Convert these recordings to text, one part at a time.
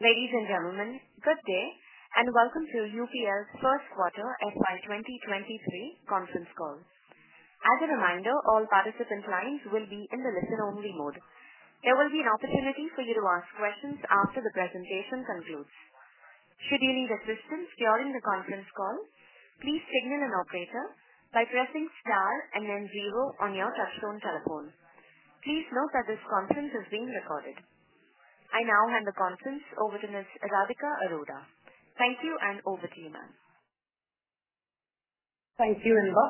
Ladies and gentlemen, good day, and welcome to UPL's First Quarter FY 2023 Conference Call. As a reminder, all participant lines will be in the listen-only mode. There will be an opportunity for you to ask questions after the presentation concludes. Should you need assistance during the conference call, please signal an operator by pressing star and then zero on your touchtone telephone. Please note that this conference is being recorded. I now hand the conference over to Ms. Radhika Arora. Thank you, and over to you, ma'am. Thank you, Inba.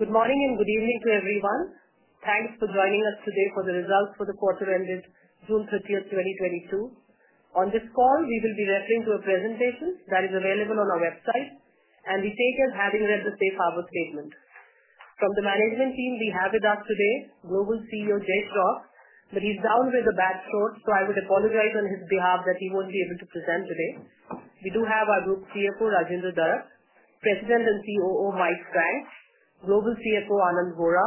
Good morning and good evening to everyone. Thanks for joining us today for the results for the quarter ending June 30th, 2022. On this call, we will be referring to a presentation that is available on our website, and we take as having read the safe harbor statement. From the management team, we have with us today Global CEO, Jai Shroff, but he's down with a bad throat, so I would apologize on his behalf that he won't be able to present today. We do have our Group CFO, Rajendra Darak, President and COO, Mike Frank, Global CFO, Anand Vora,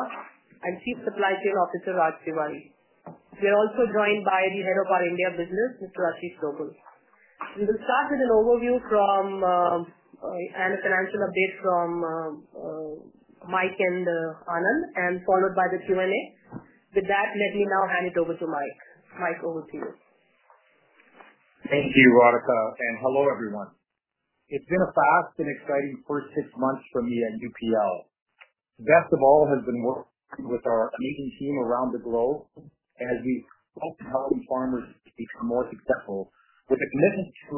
and Chief Supply Chain Officer, Raj Tiwari. We are also joined by the Head of our India Business, Mr. Ashish Dobhal. We will start with an overview and a financial update from Mike and Anand, followed by the Q&A. With that, let me now hand it over to Mike. Mike, over to you. Thank you, Radhika, and hello, everyone. It's been a fast and exciting first six months for me at UPL. Best of all has been working with our amazing team around the globe as we focus on helping farmers become more successful with a commitment to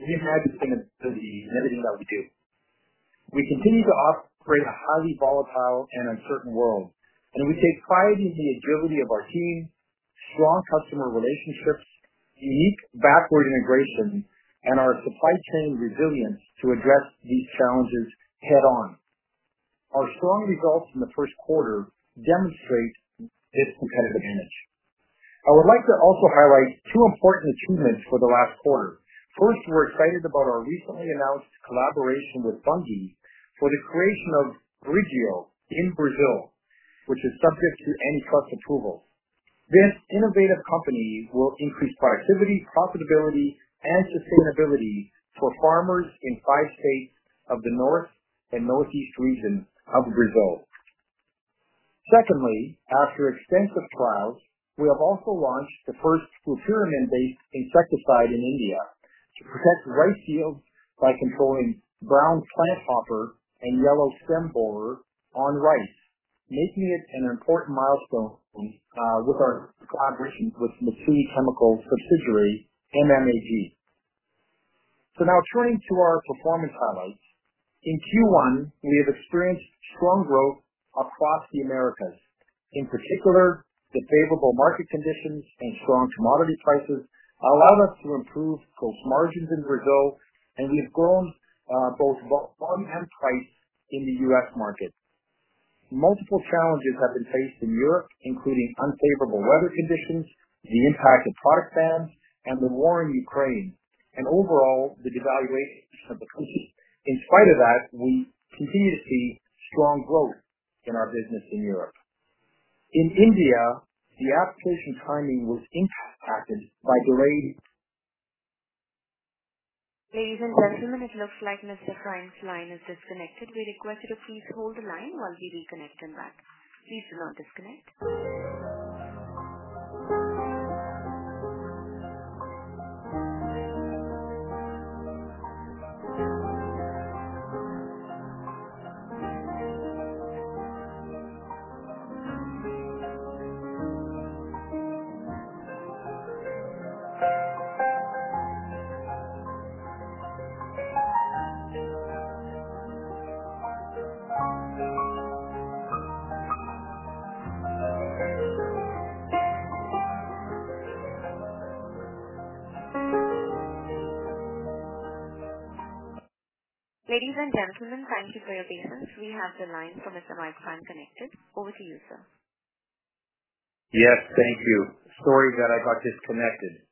enhancing sustainability in everything that we do. We continue to operate in a highly volatile and uncertain world, and we take pride in the agility of our team, strong customer relationships, unique backward integration, and our supply chain resilience to address these challenges head-on. Our strong results from the first quarter demonstrate this competitive advantage. I would like to also highlight two important achievements for the last quarter. First, we're excited about our recently announced collaboration with Bunge for the creation of Orígeo in Brazil, which is subject to antitrust approval. This innovative company will increase productivity, profitability, and sustainability for farmers in five states of the north and northeast region of Brazil. Secondly, after extensive trials, we have also launched the first Flupyrimin-based insecticide in India to protect rice yields by controlling brown planthopper and yellow stem borer on rice, making it an important milestone with our collaboration with Mitsui Chemicals subsidiary, MMAG. Now turning to our performance highlights. In Q1, we have experienced strong growth across the Americas. In particular, the favorable market conditions and strong commodity prices allowed us to improve gross margins in Brazil, and we've grown both volume and price in the U.S. market. Multiple challenges have been faced in Europe, including unfavorable weather conditions, the impact of product bans, and the war in Ukraine, and overall, the devaluation of the rupee. In spite of that, we continue to see strong growth in our business in Europe. In India, the application timing was impacted by delayed. Ladies and gentlemen, it looks like Mr. Frank's line is disconnected. We request you to please hold the line while we reconnect him back. Please do not disconnect. Ladies and gentlemen, thank you for your patience. We have the line for Mr. Mike Frank connected. Over to you, sir. Yes, thank you. Sorry that I got disconnected.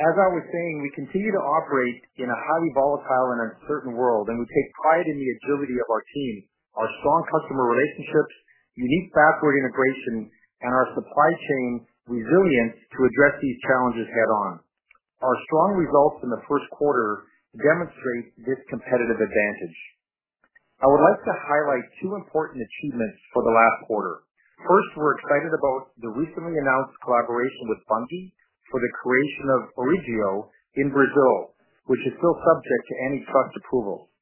As I was saying, we continue to operate in a highly volatile and uncertain world, and we take pride in the agility of our team, our strong customer relationships, unique backward integration, and our supply chain resilience to address these challenges head on. Our strong results in the first quarter demonstrate this competitive advantage. I would like to highlight two important achievements for the last quarter. First, we're excited about the recently announced collaboration with Bunge for the creation of Orígeo in Brazil, which is still subject to antitrust approval.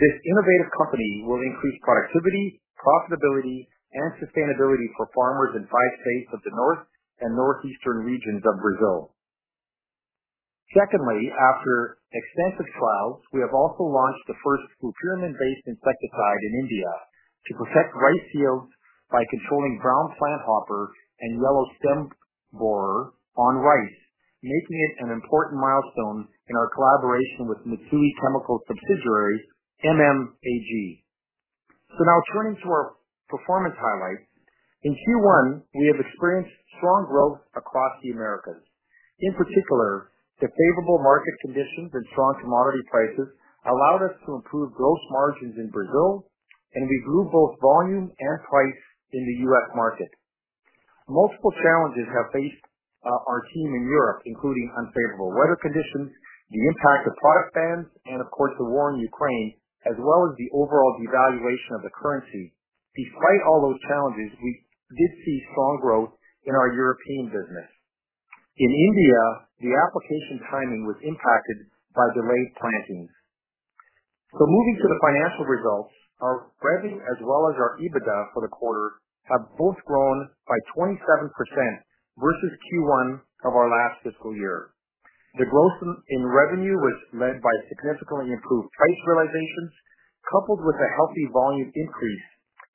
This innovative company will increase productivity, profitability, and sustainability for farmers in five states of the north and northeastern regions of Brazil. Secondly, after extensive trials, we have also launched the first Flupyrimin-based insecticide in India to protect rice fields by controlling brown planthopper and yellow stem borer on rice, making it an important milestone in our collaboration with Mitsui Chemicals subsidiary, MMAG. Now turning to our performance highlights. In Q1, we have experienced strong growth across the Americas. In particular, the favorable market conditions and strong commodity prices allowed us to improve gross margins in Brazil, and we grew both volume and price in the U.S. market. Multiple challenges have faced our team in Europe, including unfavorable weather conditions, the impact of product bans, and of course, the war in Ukraine, as well as the overall devaluation of the currency. Despite all those challenges, we did see strong growth in our European business. In India, the application timing was impacted by delayed plantings. Moving to the financial results, our revenue as well as our EBITDA for the quarter have both grown by 27% versus Q1 of our last fiscal year. The growth in revenue was led by significantly improved price realizations, coupled with a healthy volume increase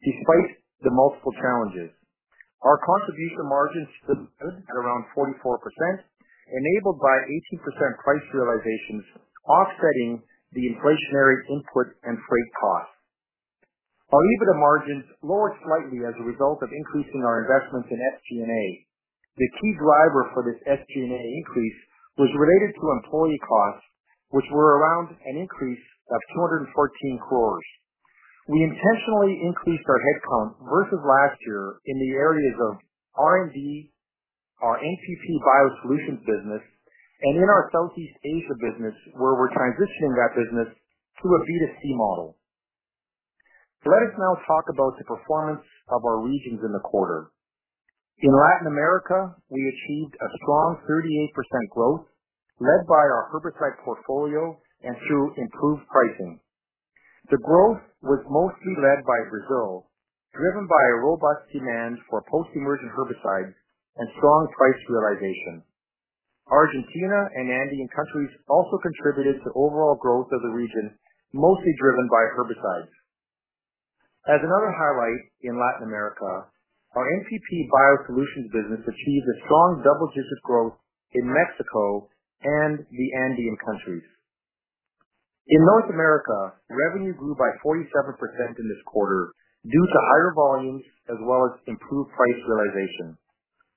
despite the multiple challenges. Our contribution margins stood at around 44%, enabled by 18% price realizations offsetting the inflationary input and freight costs. Our EBITDA margins lowered slightly as a result of increasing our investments in SG&A. The key driver for this SG&A increase was related to employee costs, which were around an increase of 214 crores. We intentionally increased our headcount versus last year in the areas of R&D, our NPP Biosolutions business and in our Southeast Asia business, where we're transitioning that business to a B2C model. Let us now talk about the performance of our regions in the quarter. In Latin America, we achieved a strong 38% growth led by our herbicide portfolio and through improved pricing. The growth was mostly led by Brazil, driven by a robust demand for post-emergent herbicides and strong price realization. Argentina and Andean countries also contributed to overall growth of the region, mostly driven by herbicides. As another highlight in Latin America, our NPP Biosolutions business achieved a strong double-digit growth in Mexico and the Andean countries. In North America, revenue grew by 47% in this quarter due to higher volumes as well as improved price realization.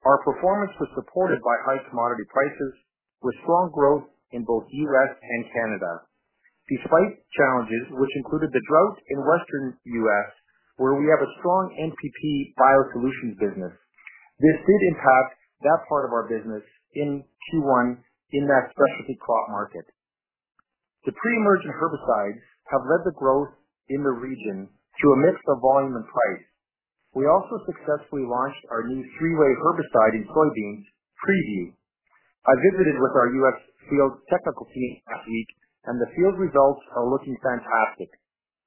Our performance was supported by high commodity prices with strong growth in both U.S. and Canada. Despite challenges which included the drought in western U.S., where we have a strong NPP Biosolutions business, this did impact that part of our business in Q1 in that specialty crop market. The pre-emergent herbicides have led the growth in the region to a mix of volume and price. We also successfully launched our new three-way herbicide in soybeans, PREVIEW. I visited with our U.S. field technical team last week and the field results are looking fantastic.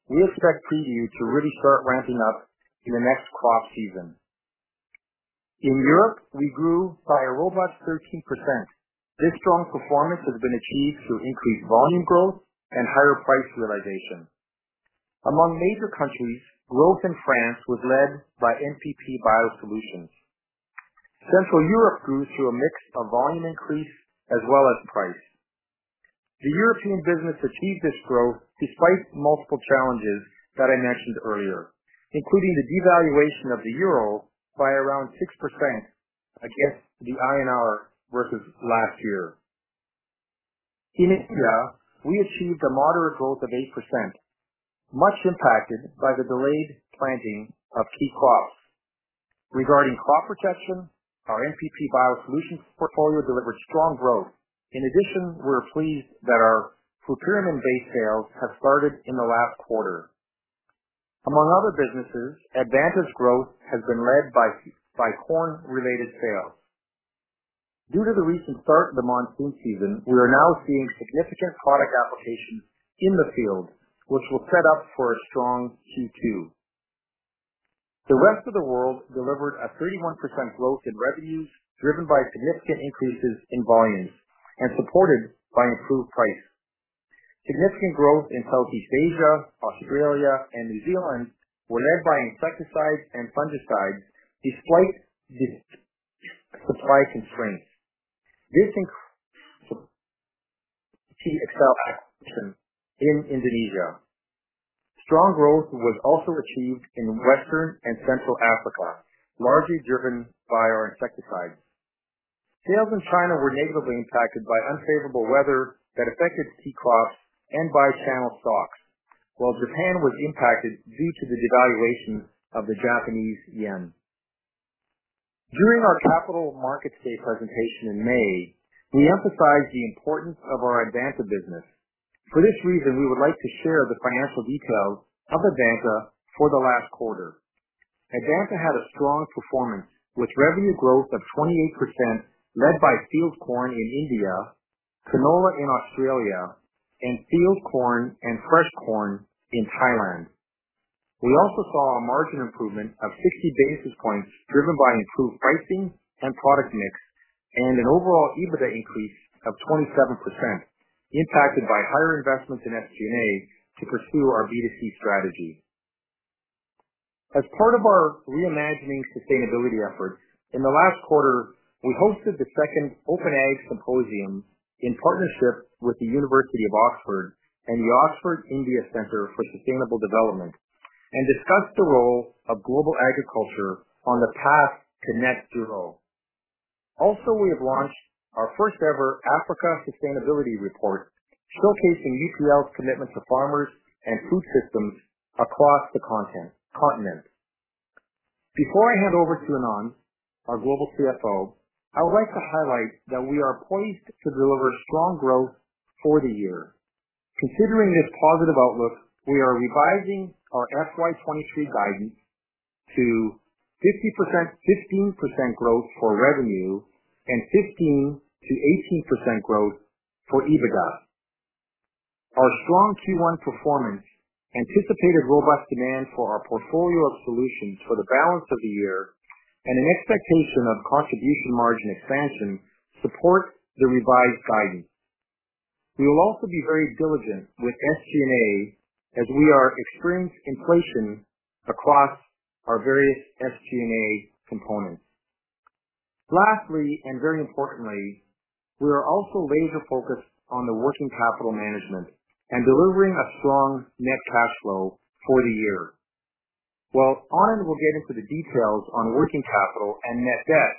We expect PREVIEW to really start ramping up in the next crop season. In Europe, we grew by a robust 13%. This strong performance has been achieved through increased volume growth and higher price realization. Among major countries, growth in France was led by NPP Biosolutions. Central Europe grew through a mix of volume increase as well as price. The European business achieved this growth despite multiple challenges that I mentioned earlier, including the devaluation of the euro by around 6% against the INR versus last year. In India, we achieved a moderate growth of 8%, much impacted by the delayed planting of key crops. Regarding crop protection, our NPP Biosolutions portfolio delivered strong growth. In addition, we're pleased that our Flupyrimin-based sales have started in the last quarter. Among other businesses, Advanta's growth has been led by corn-related sales. Due to the recent start of the monsoon season, we are now seeing significant product application in the field, which will set up for a strong Q2. The rest of the world delivered a 31% growth in revenues, driven by significant increases in volumes and supported by improved price. Significant growth in Southeast Asia, Australia and New Zealand were led by insecticides and fungicides despite the supply constraints. This increase. Also, we have launched our first ever Africa Sustainability Report, showcasing UPL's commitment to farmers and food systems across the continent. Before I hand over to Anand, our Global CFO, I would like to highlight that we are poised to deliver strong growth for the year. Considering this positive outlook, we are revising our FY 2023 guidance to 15%, 15% growth for revenue and 15%-18% growth for EBITDA. Our strong Q1 performance anticipated robust demand for our portfolio of solutions for the balance of the year and an expectation of contribution margin expansion support the revised guidance. We will also be very diligent with SG&A as we are experiencing inflation across our various SG&A components. Lastly, and very importantly, we are also laser focused on the working capital management and delivering a strong net cash flow for the year. While Anand will get into the details on working capital and net debt,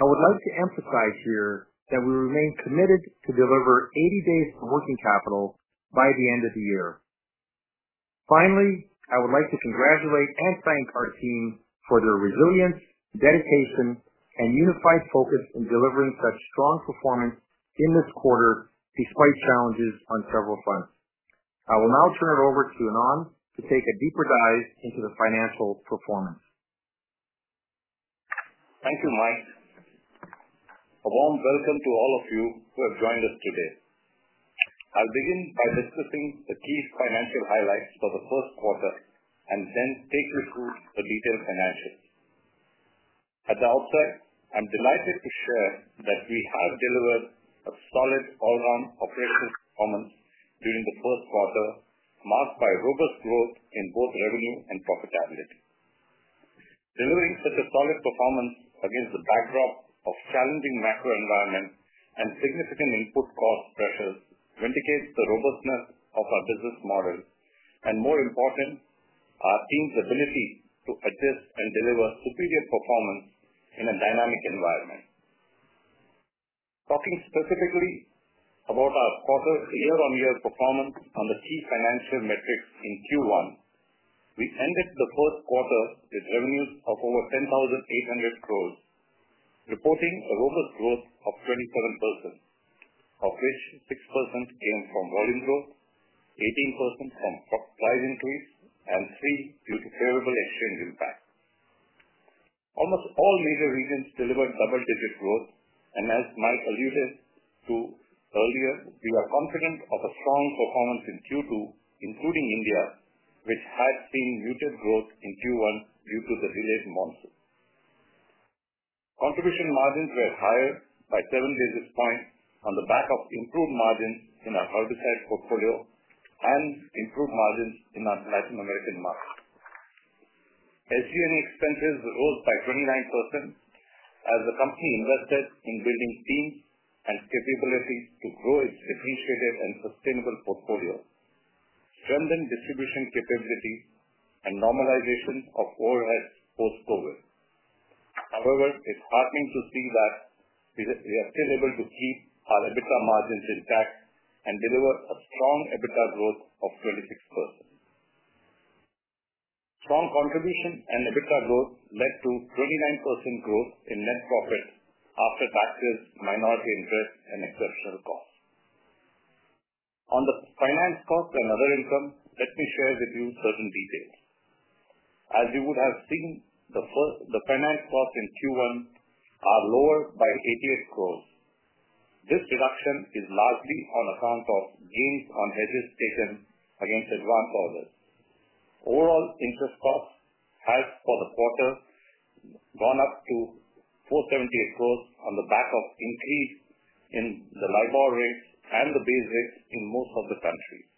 I would like to emphasize here that we remain committed to deliver 80 days of working capital by the end of the year. Finally, I would like to congratulate and thank our team for their resilience, dedication and unified focus in delivering such strong performance in this quarter despite challenges on several fronts. I will now turn it over to Anand to take a deeper dive into the financial performance. Thank you, Mike. A warm welcome to all of you who have joined us today. I'll begin by discussing the key financial highlights for the first quarter and then take you through the detailed financials. At the outset, I'm delighted to share that we have delivered a solid all around operational performance during the first quarter, marked by robust growth in both revenue and profitability. Delivering such a solid performance against the backdrop of challenging macro environment and significant input cost pressures vindicates the robustness of our business model and more important, our team's ability to adjust and deliver superior performance in a dynamic environment. Talking specifically about our quarter's year-on-year performance on the key financial metrics in Q1, we ended the first quarter with revenues of over 10,800 crores, reporting a robust growth of 27%, of which 6% came from volume growth, 18% from price increase and 3% due to favorable exchange impact. Almost all major regions delivered double-digit growth. As Mike alluded to earlier, we are confident of a strong performance in Q2, including India, which has seen muted growth in Q1 due to the delayed monsoon. Contribution margins were higher by 7 basis points on the back of improved margins in our herbicide portfolio and improved margins in our Latin American markets. SG&A expenses rose by 29% as the company invested in building teams and capabilities to grow its differentiated and sustainable portfolio, strengthen distribution capabilities and normalization of overheads post-COVID. However, it's heartening to see that we are still able to keep our EBITDA margins intact and deliver a strong EBITDA growth of 26%. Strong contribution and EBITDA growth led to 29% growth in net profit after taxes, minority interest and exceptional costs. On the finance cost and other income, let me share with you certain details. As you would have seen, the finance costs in Q1 are lower by 88 crores. This reduction is largely on account of gains on hedges taken against advanced orders. Overall interest costs has for the quarter gone up to 478 crores on the back of increase in the LIBOR rates and the base rates in most of the countries.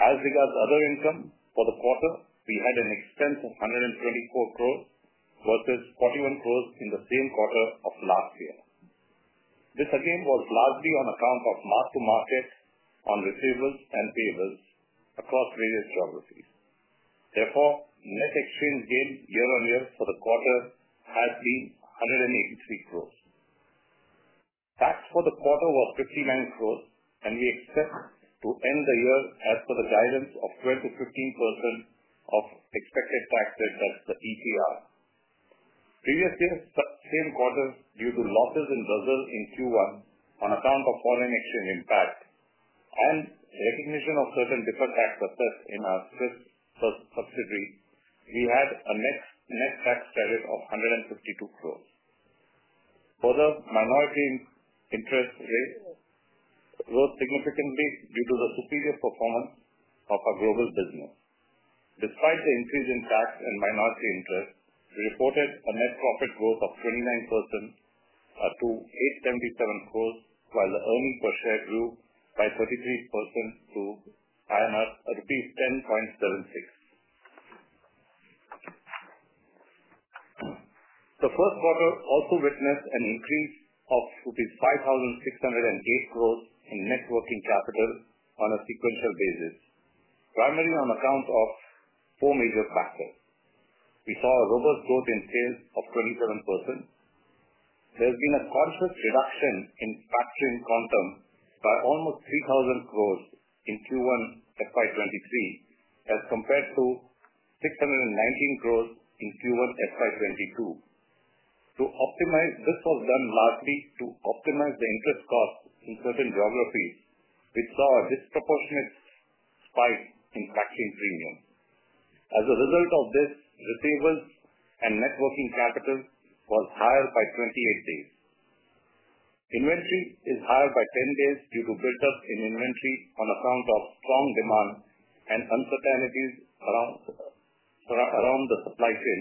As regards other income for the quarter, we had an expense of 124 crores versus 41 crores in the same quarter of last year. This again was largely on account of mark to market on receivables and payables across various geographies. Therefore, net exchange gain year-on-year for the quarter has been 183 crores. Tax for the quarter was 59 crores, and we expect to end the year as per the guidance of 12%-15% of expected tax rate, that's the ETR. Previous year, same quarter due to losses in Brazil in Q1 on account of foreign exchange impact and recognition of certain deferred tax assets in our Swiss sub-subsidiary, we had a net tax credit of 152 crores. Further, minority interest rates grew significantly due to the superior performance of our global business. Despite the increase in tax and minority interest, we reported a net profit growth of 29% to INR 877 crores, while the earnings per share grew by 33% to rupees 10.76. The first quarter also witnessed an increase of INR 5,608 crores in net working capital on a sequential basis. Primarily on account of four major factors. We saw a robust growth in sales of 27%. There's been a conscious reduction in inventory quantum by almost 3,000 crores in Q1 FY 2023 as compared to 619 crores in Q1 FY 2022. To optimize, this was done largely to optimize the interest cost in certain geographies which saw a disproportionate spike in inventory premium. As a result of this, receivables and net working capital was higher by 28 days. Inventory is higher by 10 days due to buildup in inventory on account of strong demand and uncertainties around the supply chain.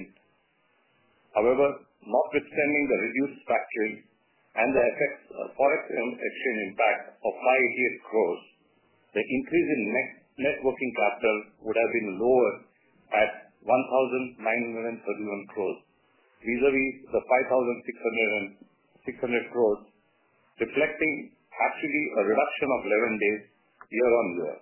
However, notwithstanding the reduced factoring and the effects of foreign exchange impact of 58 crores, the increase in net working capital would have been lower at 1,931 crores, vis-à-vis the 5,600 crores, reflecting actually a reduction of 11 days year-on-year.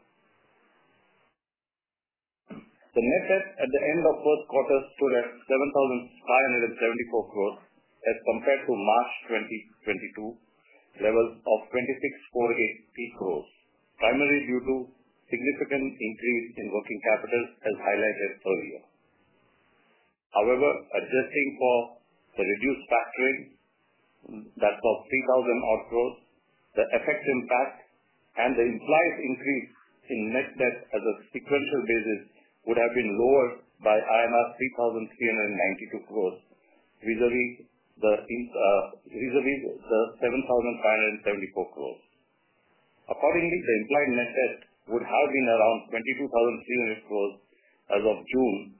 The net debt at the end of first quarter stood at 7,574 crores as compared to March 2022 levels of 26,486 crores, primarily due to significant increase in working capital as highlighted earlier. However, adjusting for the reduced factoring, that's of 3,000-odd crores, the effect impact and the implied increase in net debt on a sequential basis would have been lower by 3,392 crores vis-à-vis the 7,574 crores. Accordingly, the implied net debt would have been around 22,300 crores as of June,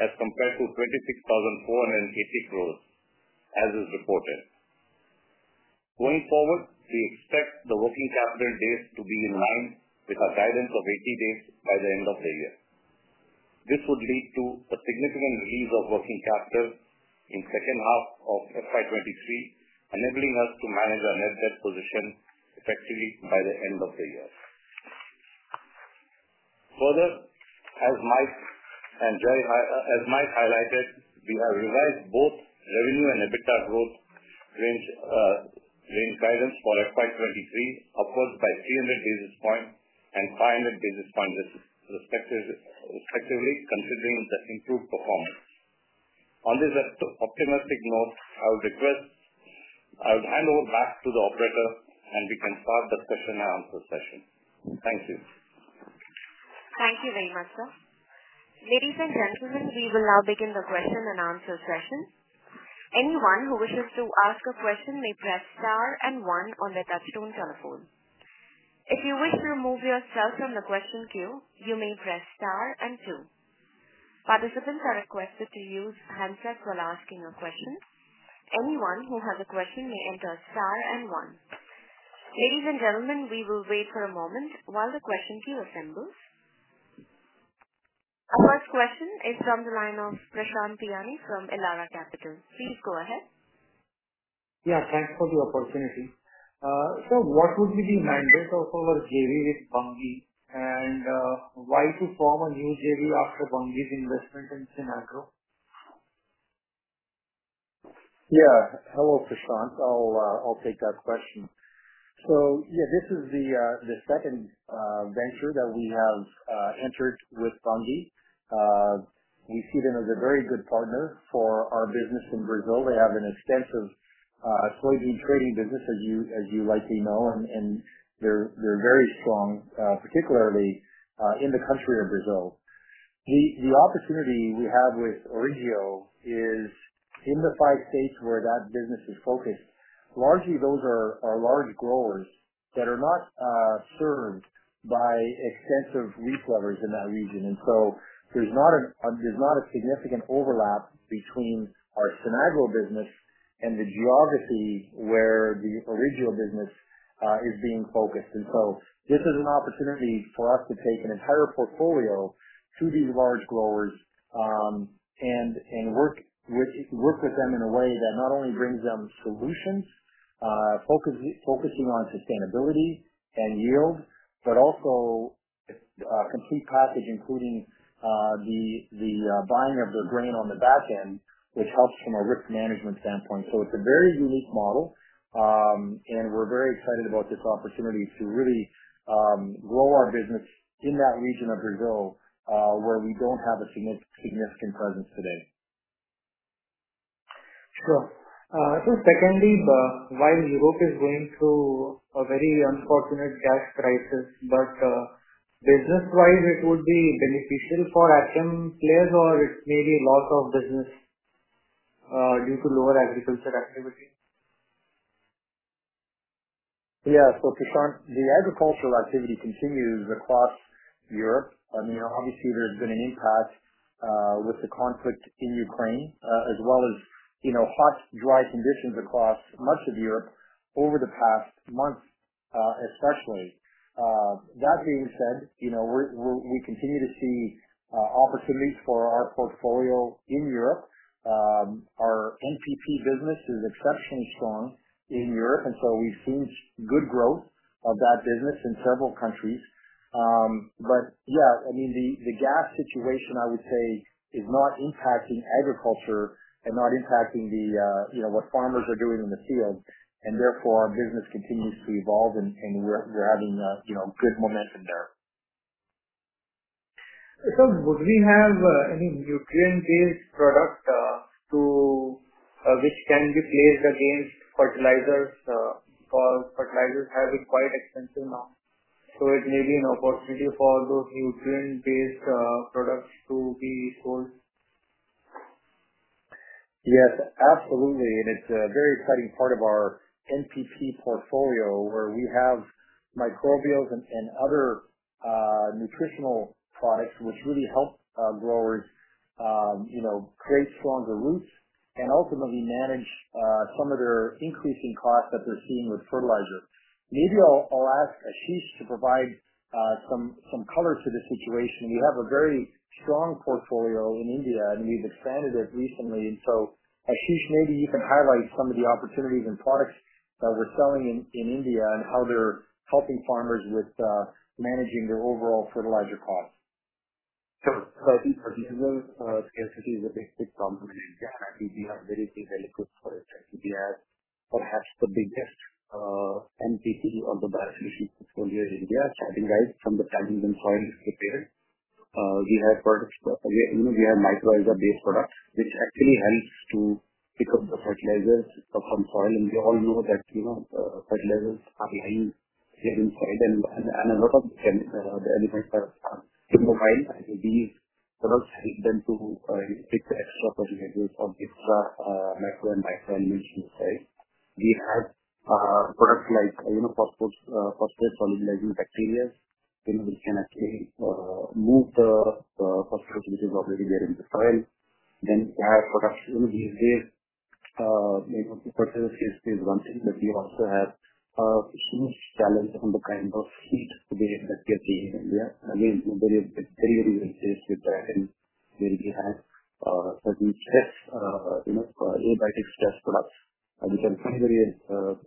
as compared to 26,480 crores as is reported. Going forward, we expect the working capital days to be in line with our guidance of 80 days by the end of the year. This would lead to a significant release of working capital in second half of FY 2023, enabling us to manage our net debt position effectively by the end of the year. Further, as Mike and Jai high... As Mike highlighted, we have revised both revenue and EBITDA growth range guidance for FY 2023 upwards by 300 basis points and 500 basis points respectively, considering the improved performance. On this optimistic note, I would hand over back to the operator and we can start the question and answer session. Thank you. Thank you very much, sir. Ladies and gentlemen, we will now begin the question and answer session. Anyone who wishes to ask a question may press star and one on their touchtone telephone. If you wish to remove yourself from the question queue, you may press star and two. Participants are requested to use handset while asking a question. Anyone who has a question may enter star and one. Ladies and gentlemen, we will wait for a moment while the question queue assembles. Our first question is from the line of Prashant Biyani from Elara Capital. Please go ahead. Yeah, thanks for the opportunity. What would be the mandate of our JV with Bunge? Why to form a new JV after Bunge's investment in Sinagro? Yeah. Hello, Prashant. I'll take that question. Yeah, this is the second venture that we have entered with Bunge. We see them as a very good partner for our business in Brazil. They have an extensive soybean trading business as you likely know, and they're very strong, particularly in the country of Brazil. The opportunity we have with Orígeo is in the five states where that business is focused, largely those are large growers that are not served by extensive retailers in that region. There's not a significant overlap between our Sinagro business and the geography where the Orígeo business is being focused. This is an opportunity for us to take an entire portfolio to these large growers, and work with them in a way that not only brings them solutions, focusing on sustainability and yield, but also complete package, including the buying of their grain on the back end, which helps from a risk management standpoint. It's a very unique model, and we're very excited about this opportunity to really grow our business in that region of Brazil, where we don't have a significant presence today. Sure. Secondly, while Europe is going through a very unfortunate gas crisis, but, business-wise it would be beneficial for agrochemical players or it may be loss of business, due to lower agriculture activity? Yeah. Prashant, the agricultural activity continues across Europe. I mean, obviously there's been an impact with the conflict in Ukraine as well as, you know, hot, dry conditions across much of Europe over the past month. Especially. That being said, you know, we continue to see opportunities for our portfolio in Europe. Our NPP business is exceptionally strong in Europe, and so we've seen good growth of that business in several countries. Yeah, I mean, the gas situation, I would say is not impacting agriculture and not impacting the, you know, what farmers are doing in the field, and therefore our business continues to evolve and we're having, you know, good momentum there. Would we have any nutrient-based product, which can be placed against fertilizers, because fertilizers have been quite expensive now? It may be an opportunity for those nutrient-based products to be sold. Yes, absolutely, it's a very exciting part of our NPP portfolio where we have microbials and other nutritional products which really help our growers, you know, create stronger roots and ultimately manage some of their increasing costs that they're seeing with fertilizer. Maybe I'll ask Ashish to provide some color to this situation. We have a very strong portfolio in India, and we've expanded it recently. Ashish, maybe you can highlight some of the opportunities and products that we're selling in India and how they're helping farmers with managing their overall fertilizer costs. Sure. I think fertilizer scarcity is a big, big problem in India, and we have very few liquids for it. We have perhaps the biggest NPP or the bio-solution portfolio in India, starting right from the time even soil is prepared. We have products, you know, we have mycorrhiza-based products which actually helps to pick up the fertilizers from soil. We all know that, you know, fertilizers are lying here inside and a lot of the elements are immobile. These products help them to take the extra fertilizers or extra macro and micronutrients inside. We have products like, you know, phosphate-solubilizing bacteria, you know, which can actually move the phosphorus which is already there in the soil. We have products, you know, these days, you know, fertilizer scarcity is one thing, but we also have huge challenge on the kind of heat that we are seeing in India. Again, we are very well placed with that, and we have certain stress, you know, abiotic stress products. We have the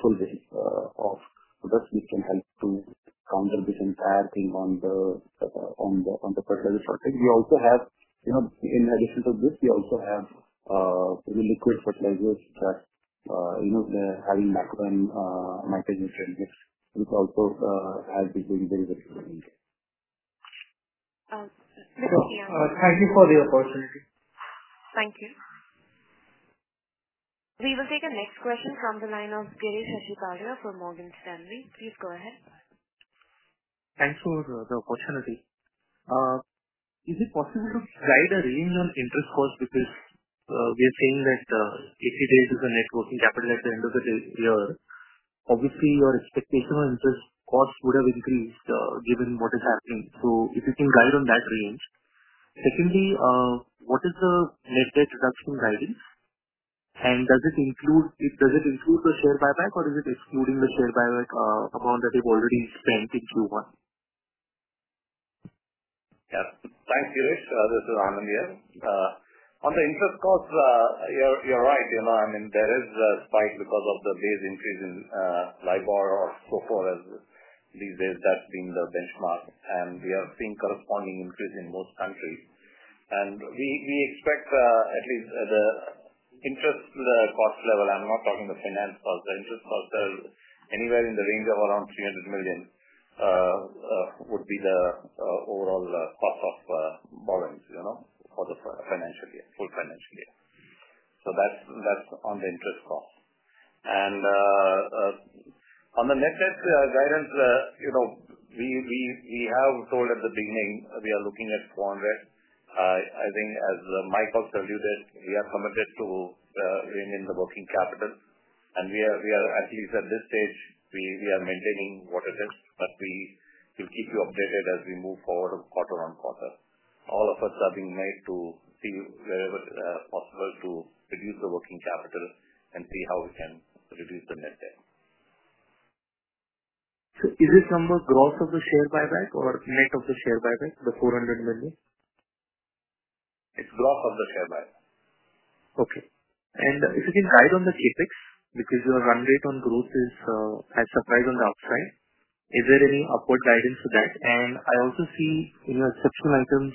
full range of products which can help to counter this entire thing on the fertilizer front. We also have, you know, in addition to this, we also have, you know, liquid fertilizers that, you know, they're having macro and micronutrients which also has been doing very well for them. With that, yeah. Thank you for the opportunity. Thank you. We will take a next question from the line of Girish Achhipalia from Morgan Stanley. Please go ahead. Thanks for the opportunity. Is it possible to provide a range on interest costs? Because we are seeing that 80 days is the net working capital at the end of the year. Obviously, your expectation on interest costs would have increased given what is happening. If you can guide on that range. Secondly, what is the net debt reduction guidance, and does it include the share buyback or is it excluding the share buyback amount that you've already spent in Q1? Yeah. Thanks, Girish Achhipalia. This is Rajendra Darak here. On the interest costs, you're right. You know, I mean, there is a spike because of the base increase in LIBOR or SOFR as these days that's been the benchmark, and we are seeing corresponding increase in most countries. We expect at least the interest cost level. I'm not talking the finance cost. The interest cost is anywhere in the range of around 300 million would be the overall cost of borrowings, you know, for the financial year, full financial year. So that's on the interest cost. On the net debt guidance, you know, we have told at the beginning, we are looking at 400 million. I think as Mike also alluded, we are committed to bringing the working capital. We are at least at this stage maintaining what it is, but we will keep you updated as we move forward quarter on quarter. All efforts are being made to see wherever possible to reduce the working capital and see how we can reduce the net debt. Is this number gross of the share buyback or net of the share buyback, the 400 million? It's gross of the share buyback. Okay. If you can guide on the CapEx, because your run rate on growth is, has surprised on the upside. Is there any upward guidance to that? I also see in your exceptional items,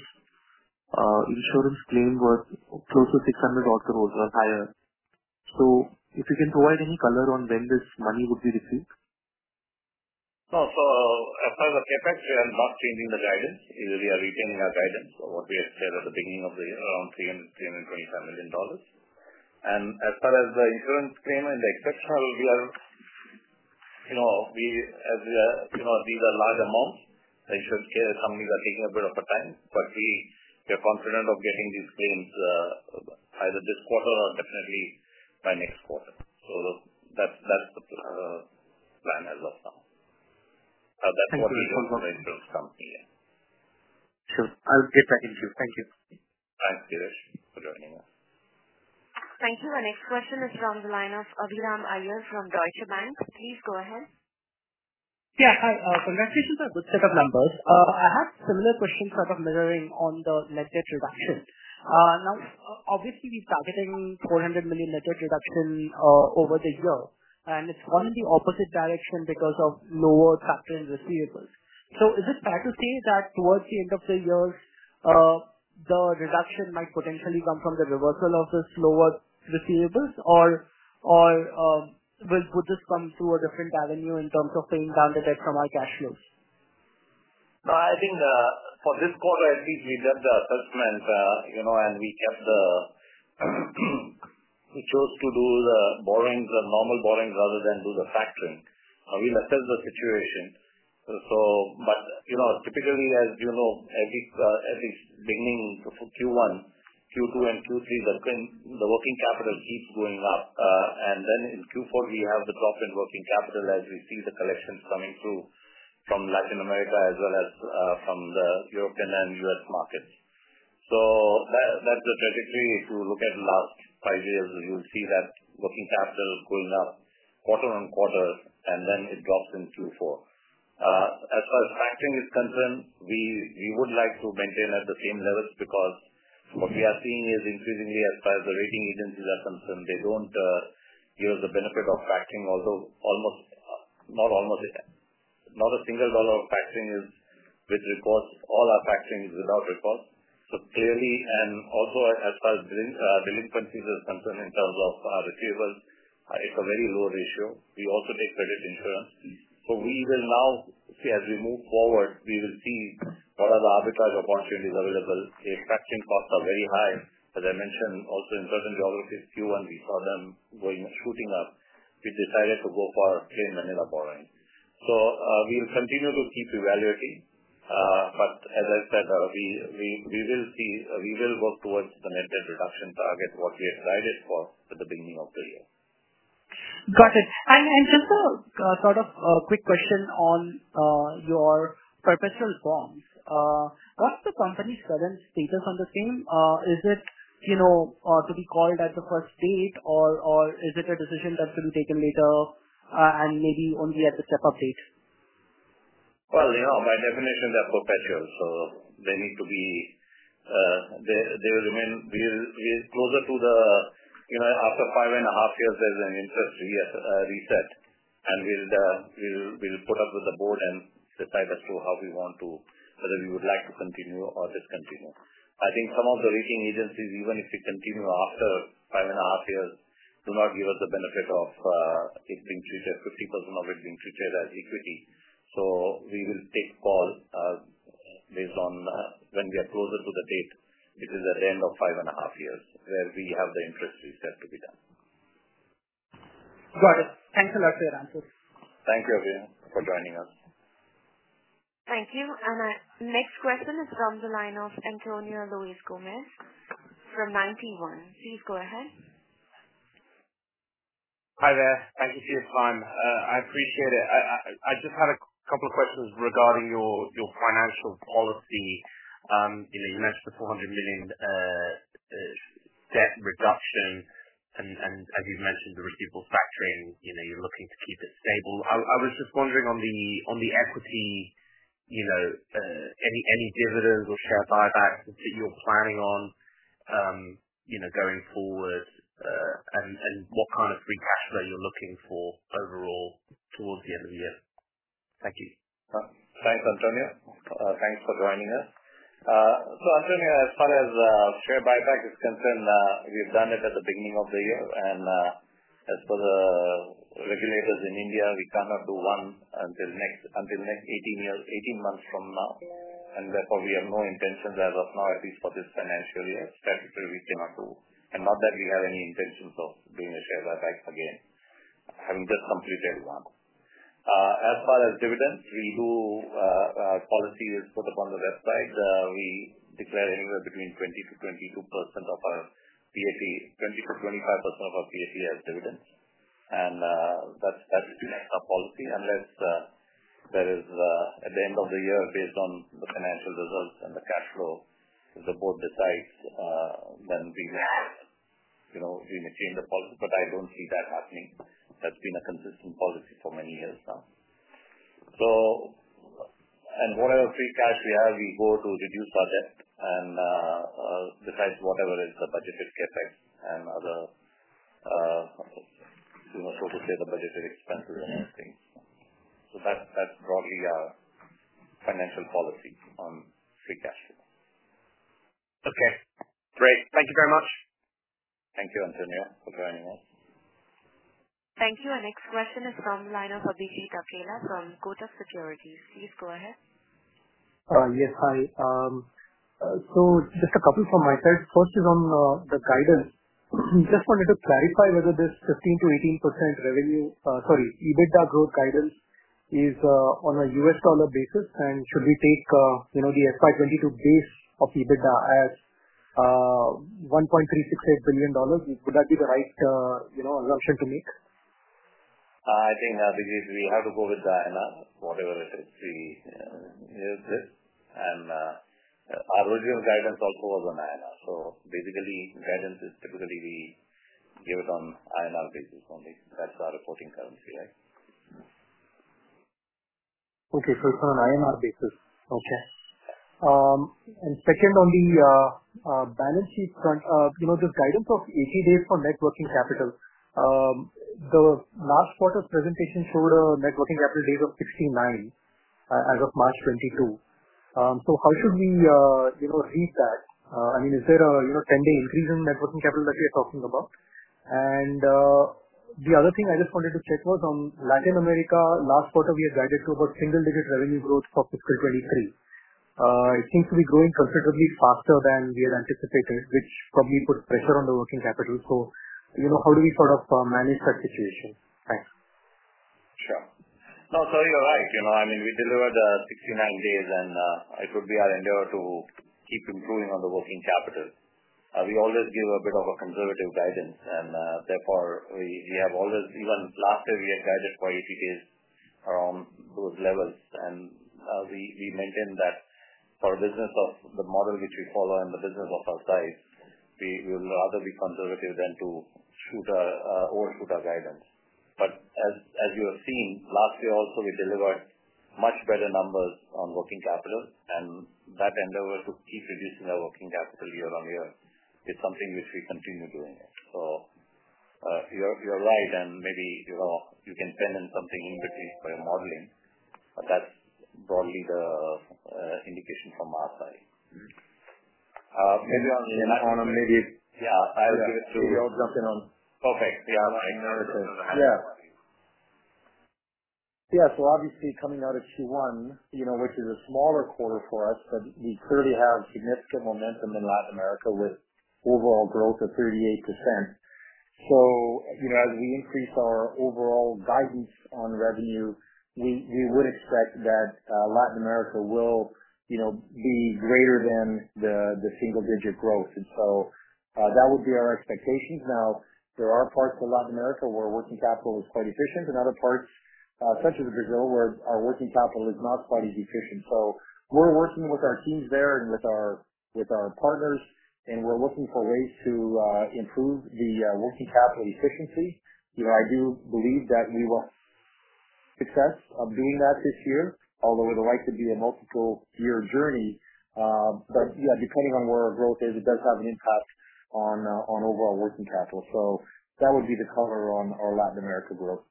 insurance claim was close to $600,000 or higher. If you can provide any color on when this money would be received. No. As far as the CapEx, we are not changing the guidance. We are retaining our guidance or what we had said at the beginning of the year, around $300-$325 million. As far as the insurance claim and the exceptional, we are you know, we as we are you know, these are large amounts, the insurance claims, some of these are taking a bit of a time. We are confident of getting these claims either this quarter or definitely by next quarter. That's the plan as of now. Thank you. That's what we also want to improve from here. Sure. I'll get back into it. Thank you. Thanks, Girish Achhipalia, for joining us. Thank you. Our next question is from the line of Abhiram Iyer from Deutsche Bank. Please go ahead. Yeah. Congratulations on this set of numbers. I have similar questions sort of mirroring the leverage reduction. Now, obviously, we're targeting 400 million leverage reduction over the year, and it's gone in the opposite direction because of lower factoring in receivables. Is it fair to say that towards the end of the year, the reduction might potentially come from the reversal of this lower factoring in receivables or would this come through a different avenue in terms of paying down the debt from our cash flows? No, I think, for this quarter at least, we did the assessment, you know. We chose to do the borrowings, the normal borrowings rather than do the factoring. We'll assess the situation. You know, typically, as you know, every beginning of Q1, Q2 and Q3, the trend, the working capital keeps going up. In Q4, we have the drop in working capital as we see the collections coming through from Latin America as well as from the European and U.S. markets. Strategically, if you look at last five years, you'll see that working capital is going up quarter on quarter, and then it drops in Q4. As far as factoring is concerned, we would like to maintain at the same levels because what we are seeing is increasingly as far as the rating agencies are concerned, they don't give the benefit of factoring, although not a single dollar of factoring is with reports. All our factoring is without reports. So clearly, and also as far as delinquencies are concerned in terms of receivables, it's a very low ratio. We also take credit insurance. So we will see, as we move forward, we will see what are the arbitrage opportunities available. If factoring costs are very high, as I mentioned also in certain geographies, Q1 we saw them shooting up. We decided to go for plain vanilla borrowing. So we'll continue to keep evaluating. As I said, we will see. We will work towards the net debt reduction target, what we had guided for at the beginning of the year. Got it. Just a quick question on your perpetual bonds. What's the company's current status on the same? Is it, you know, to be called at the first date or is it a decision that will be taken later, and maybe only at the step update? Well, you know, by definition they're perpetual, so they need to be, they will remain. We're closer to the. You know, after five and a half years, there's an interest reset, and we'll put up to the Board and decide as to how we want to whether we would like to continue or discontinue. I think some of the rating agencies, even if we continue after five and a half years, do not give us the benefit of it being treated, 50% of it being treated as equity. We will take a call based on when we are closer to the date, which is at the end of five and a half years, where we have the interest reset to be done. Got it. Thanks a lot for your answers. Thank you, Abhiram, for joining us. Thank you. Our next question is from the line of Antonio Luiz Gomes from Ninety One. Please go ahead. Hi there. Thank you for your time. I appreciate it. I just had a couple of questions regarding your financial policy. You know, you mentioned the 400 million debt reduction and as you've mentioned, the receivables factoring. You know, you're looking to keep it stable. I was just wondering on the equity. You know, any dividends or share buybacks that you're planning on, you know, going forward, and what kind of free cash flow you're looking for overall towards the end of the year. Thank you. Thanks, Antonio. Thanks for joining us. Antonio, as far as share buyback is concerned, we've done it at the beginning of the year, and as per the regulators in India, we cannot do one until the next 18 months from now. Therefore, we have no intentions as of now, at least for this financial year, statutory we cannot do. Not that we have any intentions of doing a share buyback again, having just completed one. As far as dividends, we do. A policy is put up on the website. We declare anywhere between 20-22% of our PAT, 20-25% of our PAT as dividends. that remains our policy unless there is at the end of the year, based on the financial results and the cash flow, if the board decides, then we may, you know, we may change the policy. I don't see that happening. That's been a consistent policy for many years now. Whatever free cash we have, we go to reduce our debt and besides whatever is the budgeted CapEx and other budgeted expenses and other things. That's broadly our financial policy on free cash flow. Okay, great. Thank you very much. Thank you, Antonio, for joining us. Thank you. Our next question is from the line of Abhijit Akella from Kotak Securities. Please go ahead. Yes. Hi. So just a couple from my side. First is on the guidance. Just wanted to clarify whether this 15%-18% EBITDA growth guidance is on a US dollar basis. Should we take, you know, the FY 2022 base of EBITDA as- $1.368 billion. Would that be the right, you know, assumption to make? I think we have to go with INR. Whatever the industry uses. Our original guidance also was on INR. Basically, guidance is typically we give it on INR basis only. That's our reporting currency, right? Okay. It's on INR basis. Okay. Second, on the balance sheet front, you know, the guidance of 80 days for net working capital. The last quarter's presentation showed a net working capital days of 69 as of March 2022. How should we you know read that? I mean, is there a you know pending increase in net working capital that we're talking about? The other thing I just wanted to check was on Latin America. Last quarter we had guided to about single-digit revenue growth for fiscal 2023. It seems to be growing considerably faster than we had anticipated, which probably puts pressure on the working capital. You know, how do we sort of manage that situation? Thanks. Sure. No, you're right. You know, I mean, we delivered 69 days and it would be our endeavor to keep improving on the working capital. We always give a bit of a conservative guidance and therefore we have always even last year we had guided for 80 days around those levels. We maintain that for business of the model which we follow and the business of our size, we will rather be conservative than to overshoot our guidance. As you have seen, last year also we delivered much better numbers on working capital. That endeavor to keep reducing our working capital year-on-year is something which we continue doing it. You're right. Maybe, you know, you can send in something in between for your modeling, but that's broadly the indication from our side. Mm-hmm. Maybe on the Latin America Anand, maybe Yeah. I'll give it to Maybe I'll jump in on. Okay. Yeah. Obviously coming out of Q1, you know, which is a smaller quarter for us, but we clearly have significant momentum in Latin America with overall growth of 38%. You know, as we increase our overall guidance on revenue, we would expect that Latin America will, you know, be greater than the single-digit growth. That would be our expectations. Now, there are parts of Latin America where working capital is quite efficient and other parts, such as Brazil, where our working capital is not quite as efficient. We're working with our teams there and with our partners, and we're looking for ways to improve the working capital efficiency. You know, I do believe that we will succeed in doing that this year, although it'll likely be a multiple year journey. Yeah, depending on where our growth is, it does have an impact on overall working capital. That would be the color on our Latin America growth.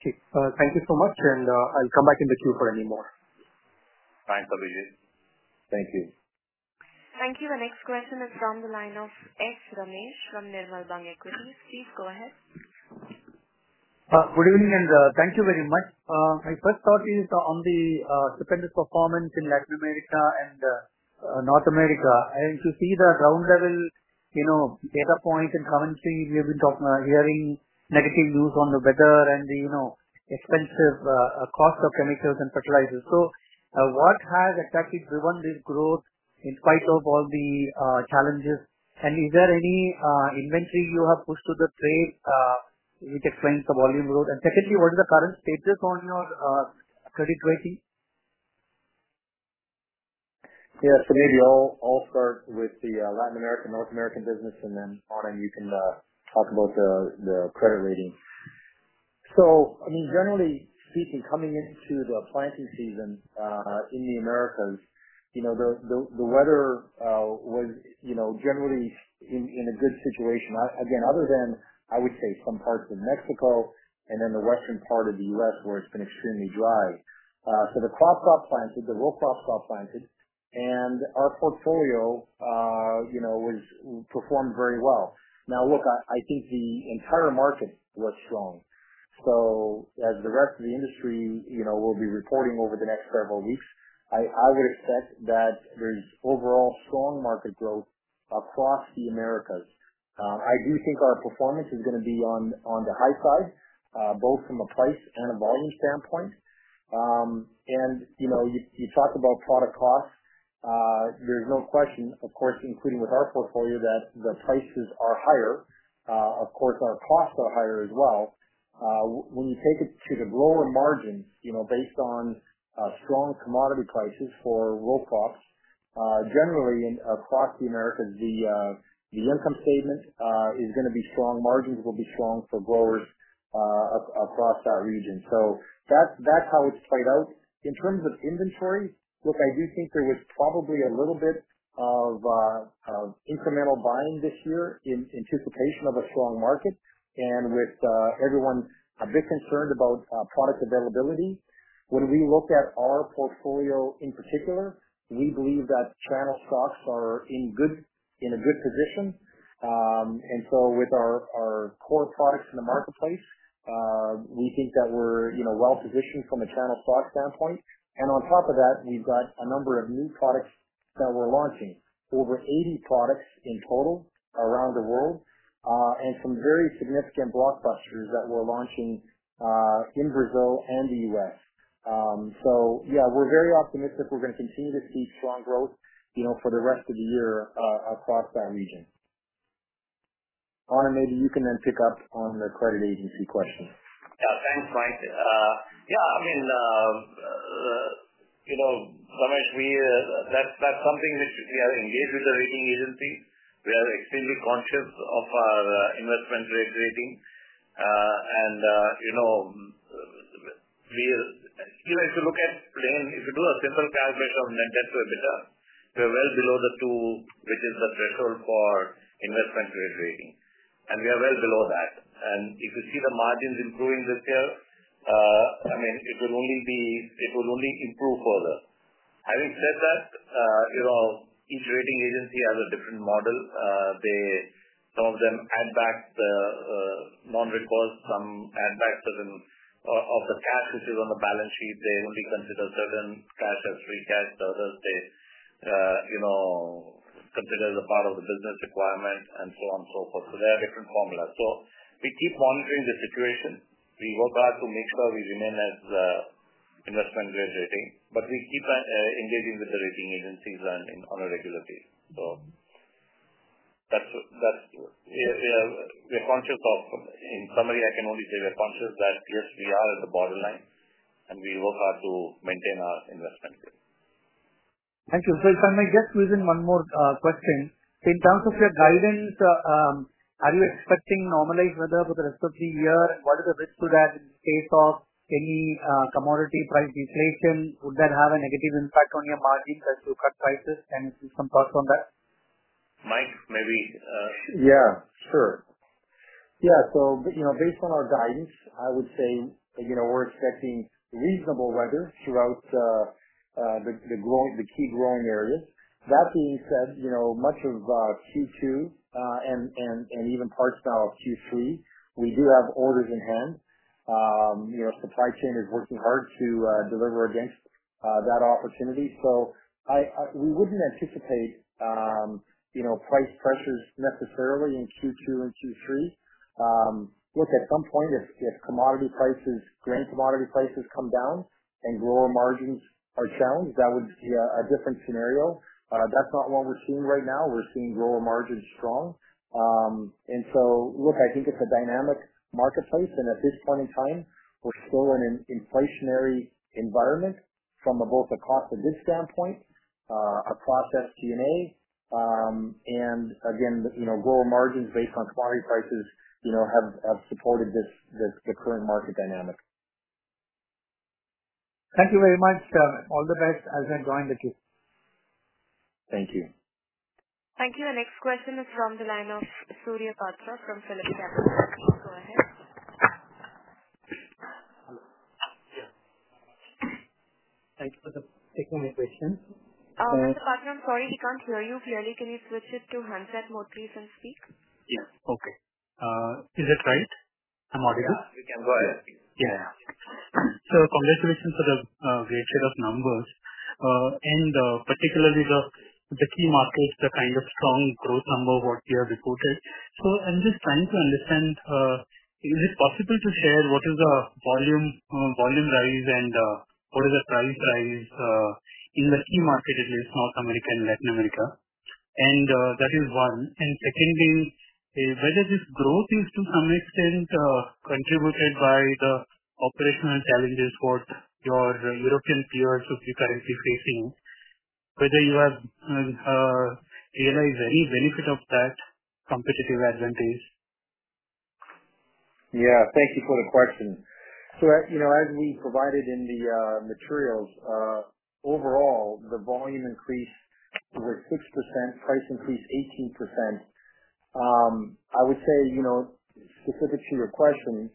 Okay. Thank you so much. I'll come back in the queue for any more. Thanks, Abhijit. Thank you. Thank you. The next question is from the line of S. Ramesh from Nirmal Bang Equities. Please go ahead. Good evening, thank you very much. My first thought is on the stupendous performance in Latin America and North America. To see the ground level, you know, data point and currency we have been hearing negative news on the weather and the, you know, expensive cost of chemicals and fertilizers. What has exactly driven this growth in spite of all the challenges? Is there any inventory you have pushed to the trade, which explains the volume growth? Secondly, what is the current status on your credit rating? Maybe I'll start with the Latin America, North American business, and then, Anand, you can talk about the credit rating. I mean, generally speaking, coming into the planting season in the Americas, you know, the weather was, you know, generally in a good situation. Again, other than, I would say some parts of Mexico and then the western part of the U.S. where it's been extremely dry. The crop got planted, the row crops got planted, and our portfolio, you know, was performed very well. Now look, I think the entire market was strong. As the rest of the industry, you know, will be reporting over the next several weeks, I would expect that there's overall strong market growth across the Americas. I do think our performance is gonna be on the high side both from a price and a volume standpoint. You know, you talk about product costs. There's no question, of course, including with our portfolio, that the prices are higher. Of course our costs are higher as well. When you take it to the grower margins, you know, based on strong commodity prices for row crops, generally across the Americas, the income statement is gonna be strong, margins will be strong for growers across our region. That's how it's played out. In terms of inventory, look, I do think there was probably a little bit of incremental buying this year in anticipation of a strong market and with everyone a bit concerned about product availability. When we look at our portfolio in particular, we believe that channel stocks are in a good position. With our core products in the marketplace, we think that we're, you know, well-positioned from a channel stock standpoint. On top of that, we've got a number of new products that we're launching. Over 80 products in total around the world, and some very significant blockbusters that we're launching in Brazil and the U.S. Yeah, we're very optimistic we're gonna continue to see strong growth, you know, for the rest of the year across our region. Anand, maybe you can then pick up on the credit agency question. Yeah, thanks, Mike. I mean, you know, Ramesh, we, that's something which we are engaged with the rating agency. We are extremely conscious of our investment-grade rating. You know, if you look at again, if you do a simple calculation of net debt to EBITDA, we're well below the two, which is the threshold for investment-grade rating, and we are well below that. If you see the margins improving this year, I mean, it will only improve further. Having said that, you know, each rating agency has a different model. Some of them add back the non-recourse, some add back certain of the cash which is on the balance sheet, they only consider certain cash or free cash. The others, they consider as a part of the business requirement and so on and so forth. They have different formulas. We keep monitoring the situation. We work hard to make sure we remain as an investment-grade rating, but we keep engaging with the rating agencies on a regular basis. In summary, I can only say we are conscious that, yes, we are at the borderline, and we work hard to maintain our investment-grade rating. Thank you. If I may just squeeze in one more question. In terms of your guidance, are you expecting normalized weather for the rest of the year? What is the risk to that in case of any commodity price deflation? Would that have a negative impact on your margins as you cut prices? Can you give some thoughts on that? Mike, maybe. Yeah, sure. Yeah. You know, based on our guidance, I would say, you know, we're expecting reasonable weather throughout the key growing areas. That being said, you know, much of Q2 and even parts now of Q3, we do have orders in hand. You know, supply chain is working hard to deliver against that opportunity. We wouldn't anticipate price pressures necessarily in Q2 and Q3. Look, at some point if commodity prices, grain commodity prices come down and grower margins are challenged, that would be a different scenario. That's not what we're seeing right now. We're seeing grower margins strong. Look, I think it's a dynamic marketplace, and at this point in time, we're still in an inflationary environment from both a cost of goods standpoint, our process DNA, and again, you know, grower margins based on commodity prices, you know, have supported this, the current market dynamic. Thank you very much. All the best as I join the queue. Thank you. Thank you. Our next question is from the line of Surya Patra from PhillipCapital. Please go ahead. Hello. Yeah. Thank you for taking my question. Mr. Patra, I'm sorry, he can't hear you clearly. Can you switch it to handset mode please and speak? Yeah. Okay. Is it right? I'm audible? Yeah. You can go ahead. Yeah. Congratulations on the great set of numbers. Particularly the key markets, the kind of strong growth number what you have reported. I'm just trying to understand, is it possible to share what is the volume rise and what is the price rise in the key markets in North America and Latin America? That is one. Second is whether this growth is to some extent contributed by the operational challenges what your European peers should be currently facing, whether you have realized any benefit of that competitive advantage? Yeah. Thank you for the question. You know, as we provided in the materials, overall, the volume increased over 6%, price increased 18%. I would say, you know, specific to your question,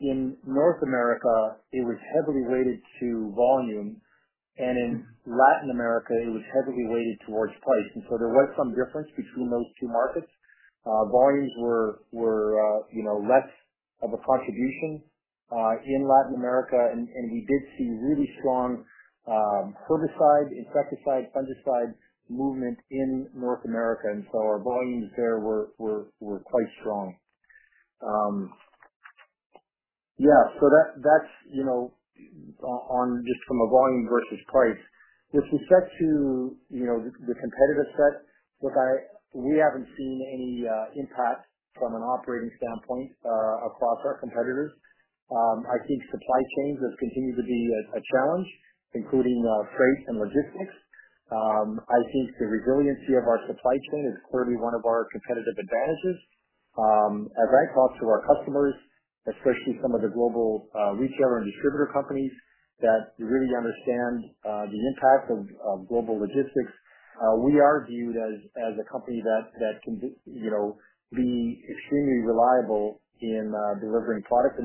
in North America, it was heavily weighted to volume, and in Latin America, it was heavily weighted towards price. There was some difference between those two markets. Volumes were you know, less of a contribution in Latin America. We did see really strong herbicide, insecticide, fungicide movement in North America. Our volumes there were quite strong. That's you know, on just from a volume versus price. With respect to you know, the competitive set, we haven't seen any impact from an operating standpoint across our competitors. I think supply chains have continued to be a challenge, including freight and logistics. I think the resiliency of our supply chain is clearly one of our competitive advantages. As I talk to our customers, especially some of the global retailer and distributor companies that really understand the impact of global logistics, we are viewed as a company that can be, you know, extremely reliable in delivering product.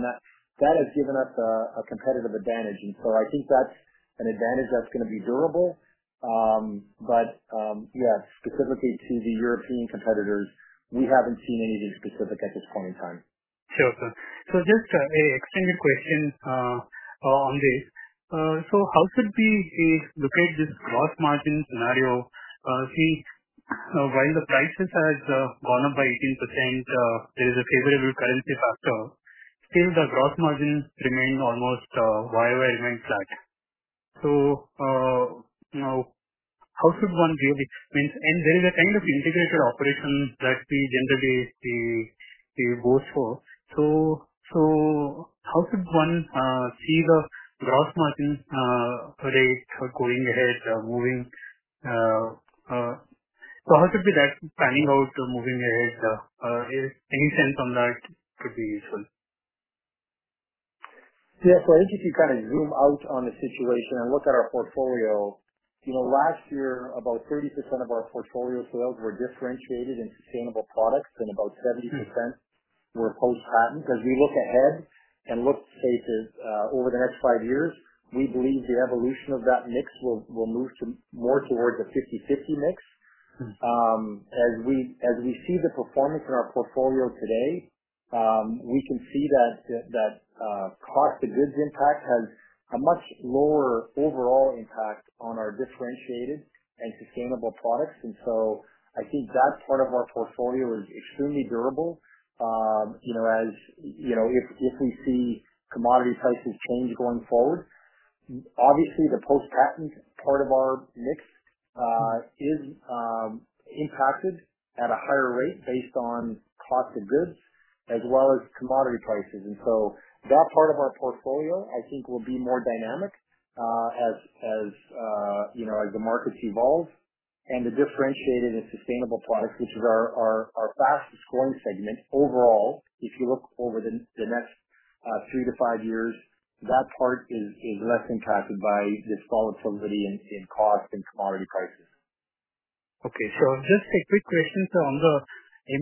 That has given us a competitive advantage. I think that's an advantage that's gonna be durable. Specifically to the European competitors, we haven't seen anything specific at this point in time. Sure, sir. Just an extended question on this. How should we look at this gross margin scenario? While the prices has gone up by 18%, there is a favorable currency factor, still the gross margins remain almost, YoY remain flat. Now how should one view this? There is a kind of integrated operation that we generally go for. How should one see the gross margin today for going ahead, moving? How should be that panning out or moving ahead? Any sense on that could be useful. Yeah. I think if you kind of zoom out on the situation and look at our portfolio, you know, last year about 30% of our portfolio sales were differentiated and sustainable products and about 70% were post-patent. As we look ahead and look, say that, over the next five years, we believe the evolution of that mix will move to more towards a 50/50 mix. As we see the performance in our portfolio today, we can see that cost of goods impact has a much lower overall impact on our differentiated and sustainable products. I think that part of our portfolio is extremely durable. You know, as you know, if we see commodity prices change going forward. Obviously the post-patent part of our mix is impacted at a higher rate based on cost of goods as well as commodity prices. That part of our portfolio, I think, will be more dynamic, as you know, as the markets evolve and the differentiated and sustainable products, which is our fastest growing segment overall, if you look over the next three to five years, that part is less impacted by the volatility in cost and commodity prices. Okay. Just a quick question. On the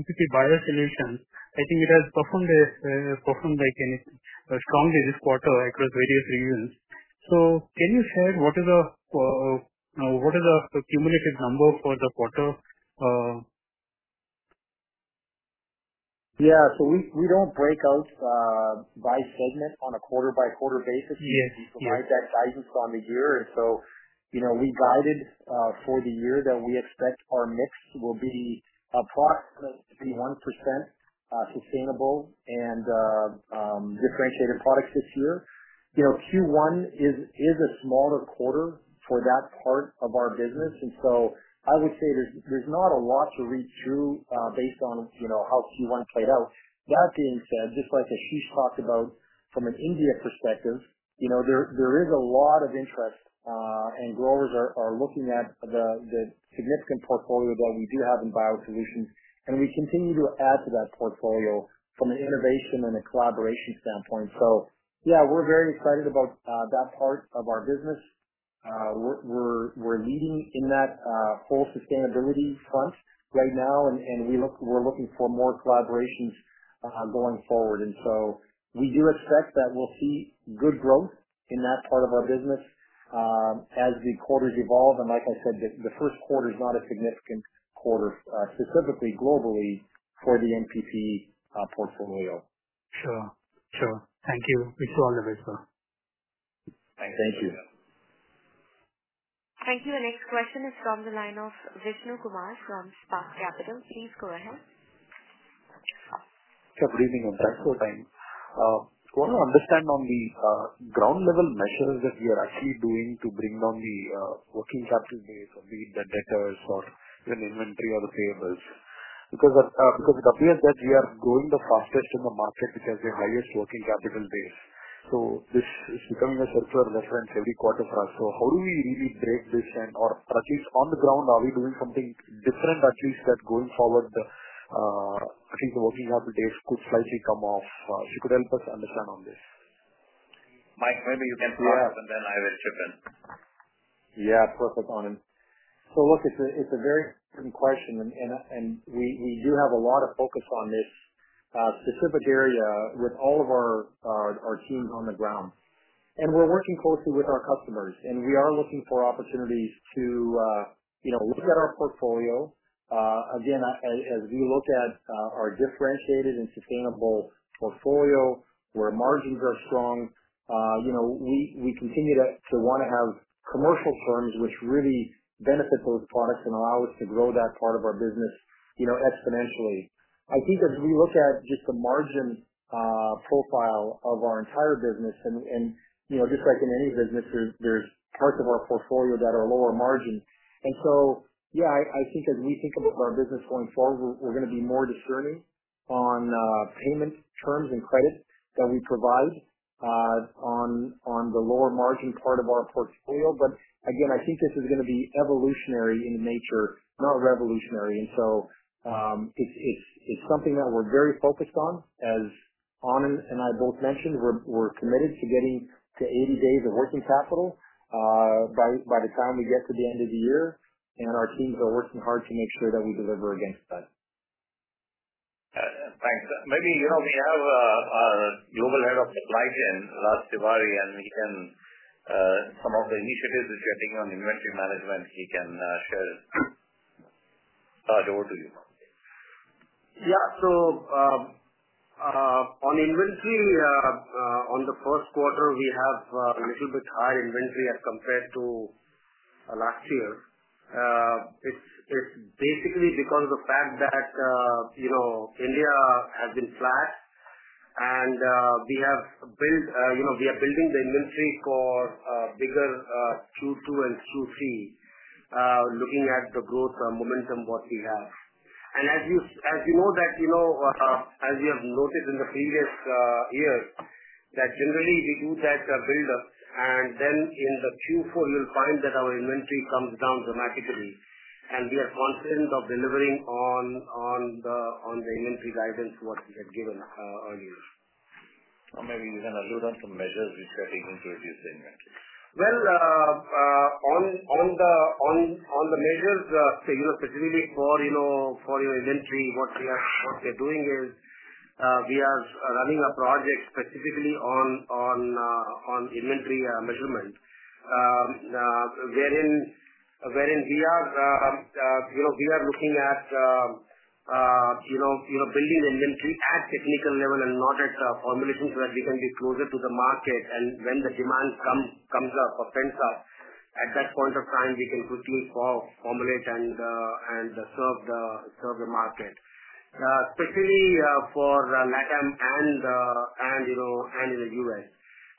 NPP biosolutions, I think it has performed strongly this quarter across various regions. Can you share what is the accumulated number for the quarter? We don't break out by segment on a quarter-by-quarter basis. Yes. Yes. We provide that guidance on the year. You know, we guided for the year that we expect our mix will be approximately 61%, sustainable and differentiated products this year. You know, Q1 is a smaller quarter for that part of our business. I would say there's not a lot to read through based on you know, how Q1 played out. That being said, just like Ashish talked about from an India perspective, you know, there is a lot of interest and growers are looking at the significant portfolio that we do have in bio solutions, and we continue to add to that portfolio from an innovation and a collaboration standpoint. Yeah, we're very excited about that part of our business. We're leading in that whole sustainability front right now, and we're looking for more collaborations going forward. We do expect that we'll see good growth in that part of our business as the quarters evolve. Like I said, the first quarter is not a significant quarter specifically globally for the NPP portfolio. Sure. Thank you. It's all I have, sir. Thank you. Thank you. Thank you. The next question is from the line of Vishnu Kumar from Spark Capital. Please go ahead. Sure. Good evening and thanks for your time. Want to understand on the ground level measures that you are actually doing to bring down the working capital days or be it the debtors or even inventory or the payables. Because it appears that we are growing the fastest in the market, which has the highest working capital base. This is becoming a circular reference every quarter for us. How do we really break this and/or at least on the ground, are we doing something different at least that going forward, at least the working capital days could slightly come off? If you could help us understand on this. Mike, maybe you can start. Yeah. Then I will chip in. Yeah. Perfect, Anand. Look, it's a very important question and we do have a lot of focus on this specific area with all of our teams on the ground. We're working closely with our customers and we are looking for opportunities to, you know, look at our portfolio. Again, as we look at our differentiated and sustainable portfolio where margins are strong, you know, we continue to wanna have commercial terms which really benefit those products and allow us to grow that part of our business, you know, exponentially. I think as we look at just the margin profile of our entire business and, you know, just like in any business, there's parts of our portfolio that are lower margin. I think as we think about our business going forward, we're gonna be more discerning on payment terms and credits that we provide on the lower margin part of our portfolio. Again, I think this is gonna be evolutionary in nature, not revolutionary. It's something that we're very focused on. As Anand and I both mentioned, we're committed to getting to 80 days of working capital by the time we get to the end of the year. Our teams are working hard to make sure that we deliver against that. Thanks. Maybe we have our global head of supply chain, Raj Tiwari, and he can some of the initiatives which we are taking on inventory management, he can share his thought. Over to you, Raj. Yeah. On inventory in the first quarter, we have little bit high inventory as compared to last year. It's basically because of the fact that you know, India has been flat and we are building the inventory for bigger Q2 and Q3 looking at the growth momentum what we have. As you know that, you know, as you have noted in the previous years, that generally we do that buildup, and then in the Q4 you'll find that our inventory comes down dramatically and we are confident of delivering on the inventory guidance what we had given earlier. Maybe you can elaborate on some measures which are taken to reduce the inventory. On the measures, you know, specifically for your inventory, what we are doing is we are running a project specifically on inventory measurement. Wherein we are looking at building inventory at technical level and not at formulation so that we can be closer to the market. When the demand comes up or pent-up, at that point of time we can quickly formulate and serve the market. Specifically, for the LatAm and in the U.S.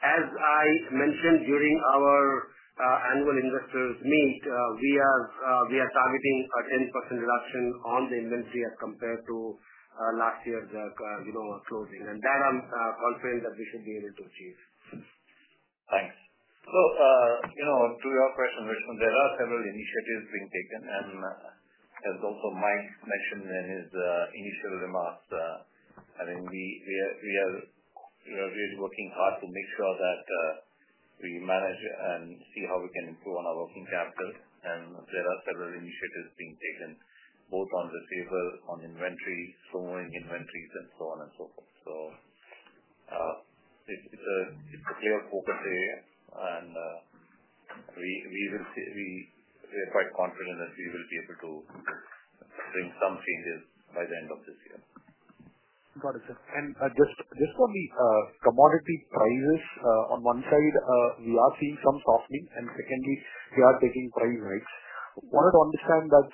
As I mentioned during our annual investors meet, we are targeting a 10% reduction on the inventory as compared to last year's, you know, closing. That I'm confident that we should be able to achieve. Thanks. To your question, Vishnu, there are several initiatives being taken and as also Mike mentioned in his initial remarks, I think we are you know really working hard to make sure that we manage and see how we can improve on our working capital. There are several initiatives being taken both on the payables, on inventory, storing inventories and so on and so forth. It's a clear focus area and we will see. We are quite confident that we will be able to bring some changes by the end of this year. Got it, sir. Just on the commodity prices, on one side, we are seeing some softening and secondly we are taking price hikes. Wanted to understand that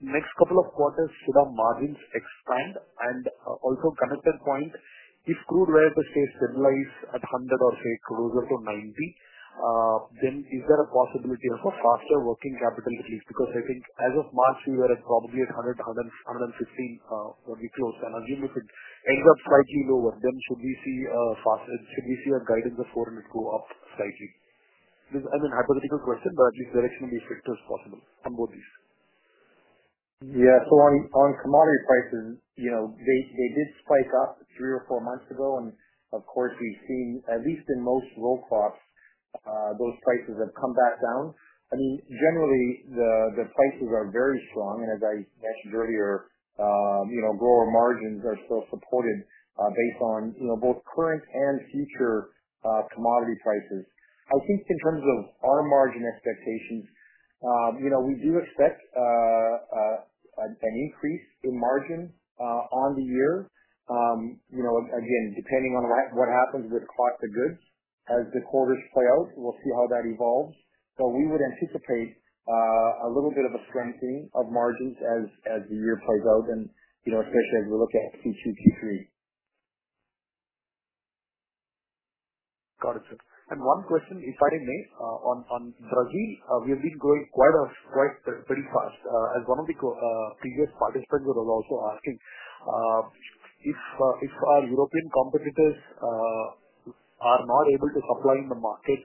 next couple of quarters should our margins expand and also connected point, if crude were to stay stabilized at 100 or say closer to 90, then is there a possibility of a faster working capital release? Because I think as of March we were at probably at 115 when we closed. If it ends up slightly lower, then should we see our guidance of 400 go up slightly? This as a hypothetical question, but at least directionally as strict as possible on both these. Yeah. On commodity prices, you know, they did spike up three or four months ago and of course we've seen at least in most row crops, those prices have come back down. I mean generally the prices are very strong and as I mentioned earlier, you know, grower margins are still supported based on, you know, both current and future commodity prices. I think in terms of our margin expectations, you know, we do expect an increase in margin on the year. You know, again, depending on what happens with cost of goods as the quarters play out, we'll see how that evolves. We would anticipate a little bit of a strengthening of margins as the year plays out and, you know, especially as we look at Q2, Q3. Got it, sir. One question, if I may, on Brazil, we have been growing pretty fast. As one of the previous participants was also asking, if our European competitors are not able to supply in the market,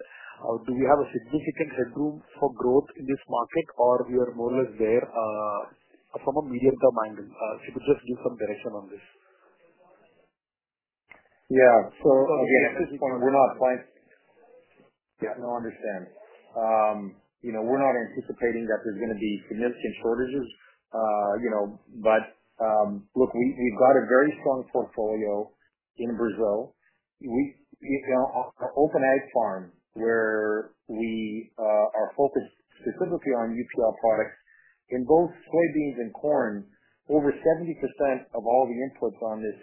do you have a significant headroom for growth in this market or we are more or less there from a medium-term angle? If you could just give some direction on this. Yeah. Again, we're not quite. Yeah. No, understand. You know, we're not anticipating that there's gonna be significant shortages. You know, but look, we've got a very strong portfolio in Brazil. You know, our OpenAg Farm where we are focused specifically on UPL products in both soybeans and corn. Over 70% of all the inputs on this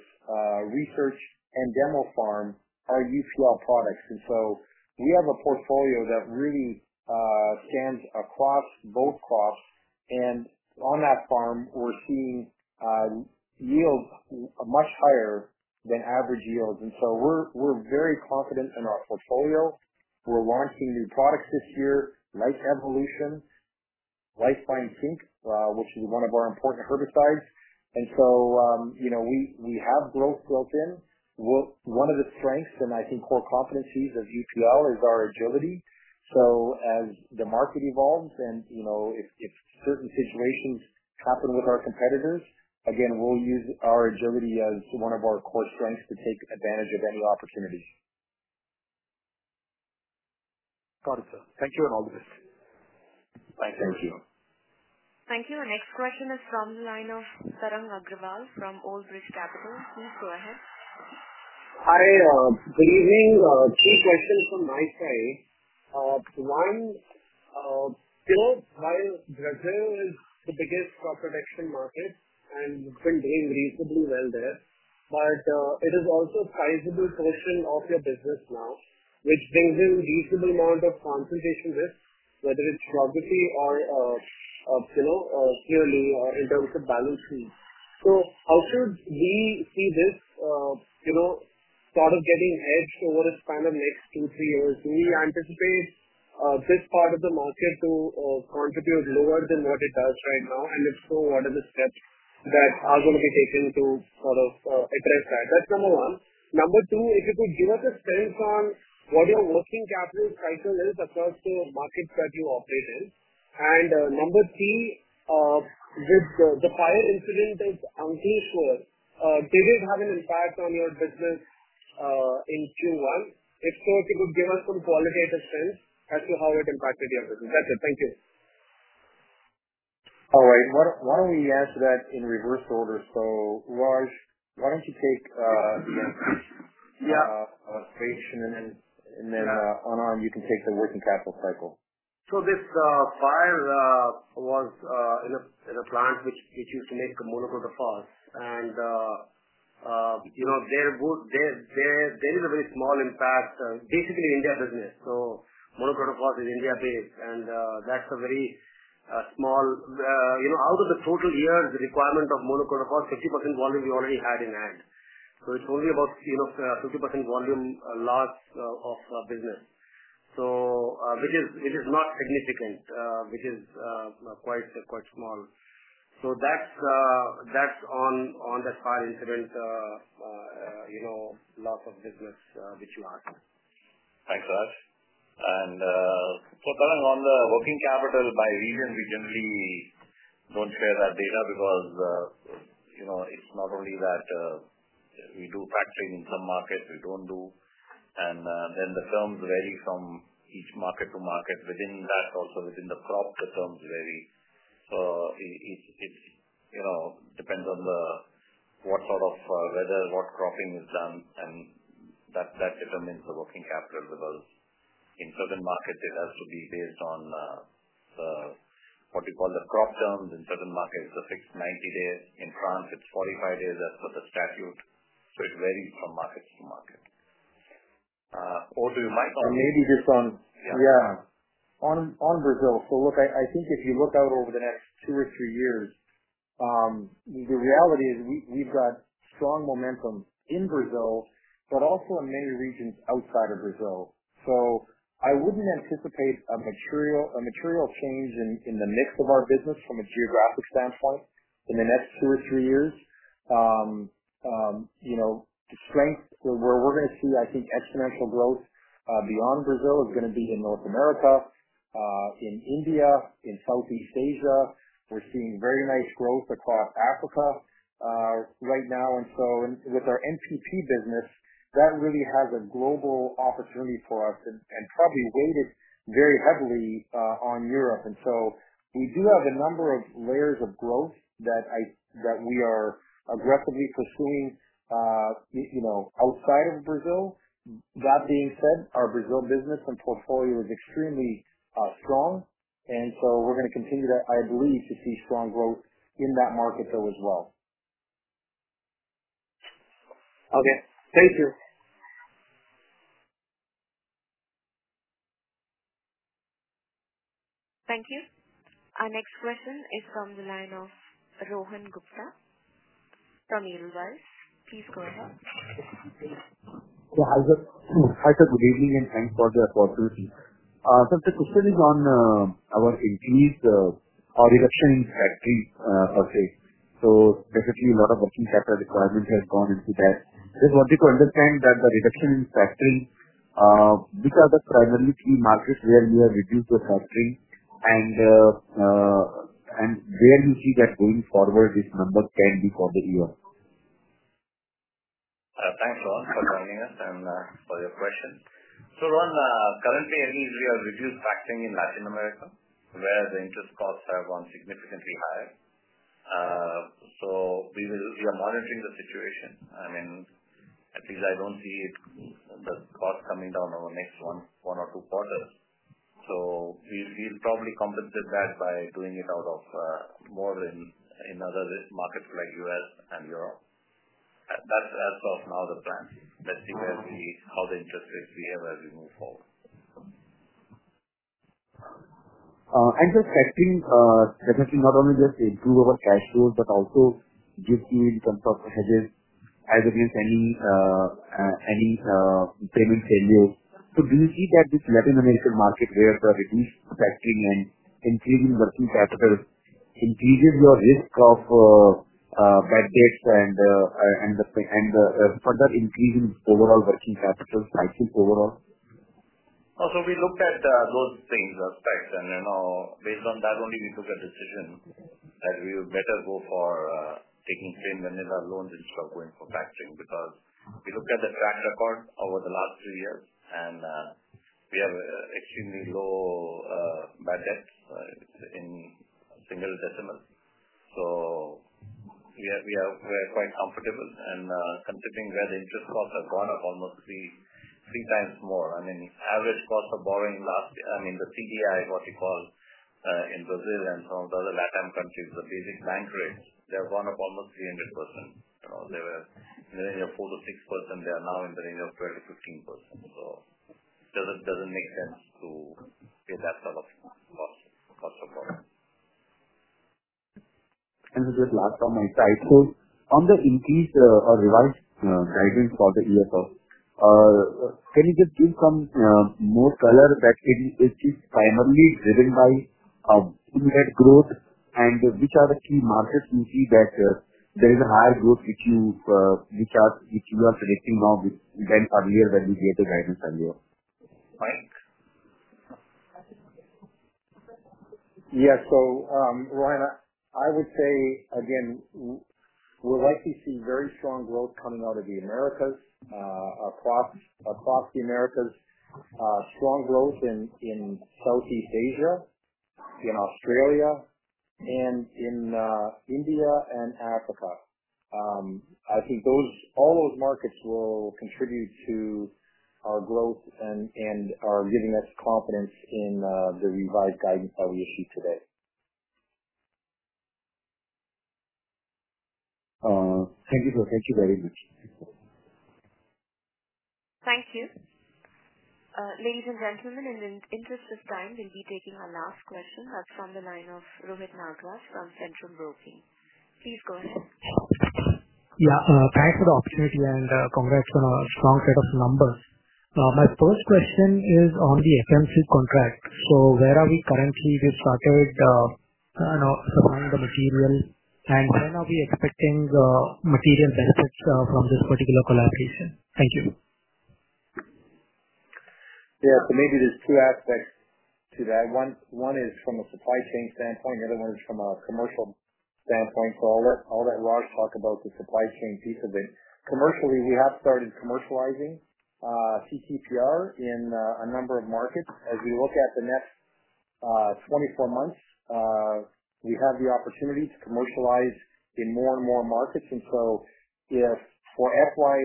research and demo farm are UPL products. We have a portfolio that really stands across both crops. On that farm we're seeing yields much higher than average yields. We're very confident in our portfolio. We're launching new products this year, LIFELINE Evolution, LIFELINE 280, which is one of our important herbicides. You know, we have growth built in. One of the strengths and I think core competencies of UPL is our agility. As the market evolves and, you know, if certain situations happen with our competitors, again, we'll use our agility as one of our core strengths to take advantage of any opportunity. Got it, sir. Thank you and all the best. Thanks. Thank you. Thank you. Next question is from the line of Tarang Agrawal from Old Bridge Capital. Please go ahead. Hi, good evening. Three questions from my side. One, you know, while Brazil is the biggest crop protection market and you've been doing reasonably well there, but, it is also a sizable portion of your business now, which brings in reasonable amount of concentration risk, whether it's property or, you know, clearly or in terms of balance sheet. How should we see this, you know, sort of getting hedged over a span of next two, three years? Do you anticipate, this part of the market to, contribute lower than what it does right now? And if so, what are the steps that are gonna be taken to sort of, address that? That's number one. Number two, if you could give us a sense on what your working capital cycle is across the markets that you operate in. Number three, with the fire incident at Ankleshwar, did it have an impact on your business in Q1? If so, if you could give us some qualitative sense as to how it impacted your business. That's it. Thank you. All right. Why don't we answer that in reverse order? Raj, why don't you take the. Yeah. Location, and then, Anand, you can take the working capital cycle. This fire was in a plant which used to make monocrotophos. You know, there is a very small impact, basically India business. Monocrotophos is India-based, and that's a very small. You know, out of the total year, the requirement of monocrotophos, 50% volume we already had in hand. It's only about, you know, 50% volume loss of business. Which is, it is not significant. Which is quite small. That's on that fire incident, you know, loss of business which you asked. Thanks, Raj. Tarang, on the working capital by region, we generally don't share that data because, you know, it's not only that, we do factoring in some markets we don't do. Then the terms vary from each market to market. Within that, also within the crop, the terms vary. It it's, you know, depends on the, what sort of weather, what cropping is done, and that determines the working capital because in certain markets it has to be based on the, what you call the crop terms. In certain markets, it's a fixed 90 days. In France, it's 45 days. That's what the statute. It varies from market to market. Over to Mike. Maybe just on Yeah. Yeah. On Brazil. Look, I think if you look out over the next two or three years, the reality is we've got strong momentum in Brazil, but also in many regions outside of Brazil. I wouldn't anticipate a material change in the mix of our business from a geographic standpoint in the next two or three years. You know, we're gonna see, I think, exponential growth beyond Brazil. It's gonna be in North America, in India, in Southeast Asia. We're seeing very nice growth across Africa right now. With our NPP business, that really has a global opportunity for us and probably weighted very heavily on Europe. We do have a number of layers of growth that we are aggressively pursuing, you know, outside of Brazil. That being said, our Brazil business and portfolio is extremely strong, and so we're gonna continue to, I believe, to see strong growth in that market there as well. Okay, thank you. Thank you. Our next question is from the line of Rohan Gupta from Edelweiss. Please go ahead. Hi, good evening, and thanks for the opportunity. The question is on our increased or reduction in factoring per se. Definitely a lot of working capital requirements have gone into that. Just wanted to understand the reduction in factoring, which are the primary key markets where you have reduced your factoring and where you see that going forward, this number can recover here. Thanks, Rohan, for joining us and for your question. Rohan, currently, I think we have reduced factoring in Latin America where the interest costs have gone significantly high. We are monitoring the situation. I mean, at least I don't see the cost coming down over the next one or two quarters. We'll probably compensate that by doing more in other risk markets like U.S. and Europe. That's, as of now, the plan. Let's see how the interest rates behave as we move forward. I think factoring definitely not only just improve our cash flows, but also gives you in terms of hedges as against any payment failure. Do you see that this Latin American market where you have reduced factoring and increasing working capital increases your risk of bad debts and further increasing overall working capital cycles overall? Oh, we looked at those things, those facts, and, you know, based on that only we took a decision that we would better go for taking third lender loans instead of going for factoring because we looked at the track record over the last two years and we have extremely low bad debts in single digits. Yeah, we are quite comfortable and considering that interest costs have gone up almost three times more, I mean, average cost of borrowing last year. I mean, the CDI, what you call, in Brazil and some of the other LatAm countries, the basic bank rates, they have gone up almost 300%. You know, they were in the range of 4%-6%, they are now in the range of 12%-15%. Doesn't make sense to pay that sort of cost of borrowing. This is last from my side. On the increased or revised guidance for the year forward, can you just give some more color? Is this primarily driven by unit growth? Which are the key markets you see that there is a high growth which you are predicting now, which we didn't earlier when we gave the guidance earlier? Yeah. Rohan, I would say again, we're likely seeing very strong growth coming out of the Americas, across the Americas. Strong growth in Southeast Asia, in Australia, and in India and Africa. I think all those markets will contribute to our growth and are giving us confidence in the revised guidance that we issued today. Thank you, sir. Thank you very much. Thank you. Ladies and gentlemen, in the interest of time, we'll be taking our last question from the line of Rohit Nagraj from Centrum Broking. Please go ahead. Yeah. Thanks for the opportunity and, congrats on a strong set of numbers. My first question is on the FMC contract. Where are we currently? We've started, you know, supplying the material. When are we expecting material benefits from this particular collaboration? Thank you. So maybe there's two aspects to that. One is from a supply chain standpoint, the other one is from a commercial standpoint. I'll let Raj talk about the supply chain piece of it. Commercially, we have started commercializing chlorantraniliprole in a number of markets. As we look at the next 24 months, we have the opportunity to commercialize in more and more markets. If for FY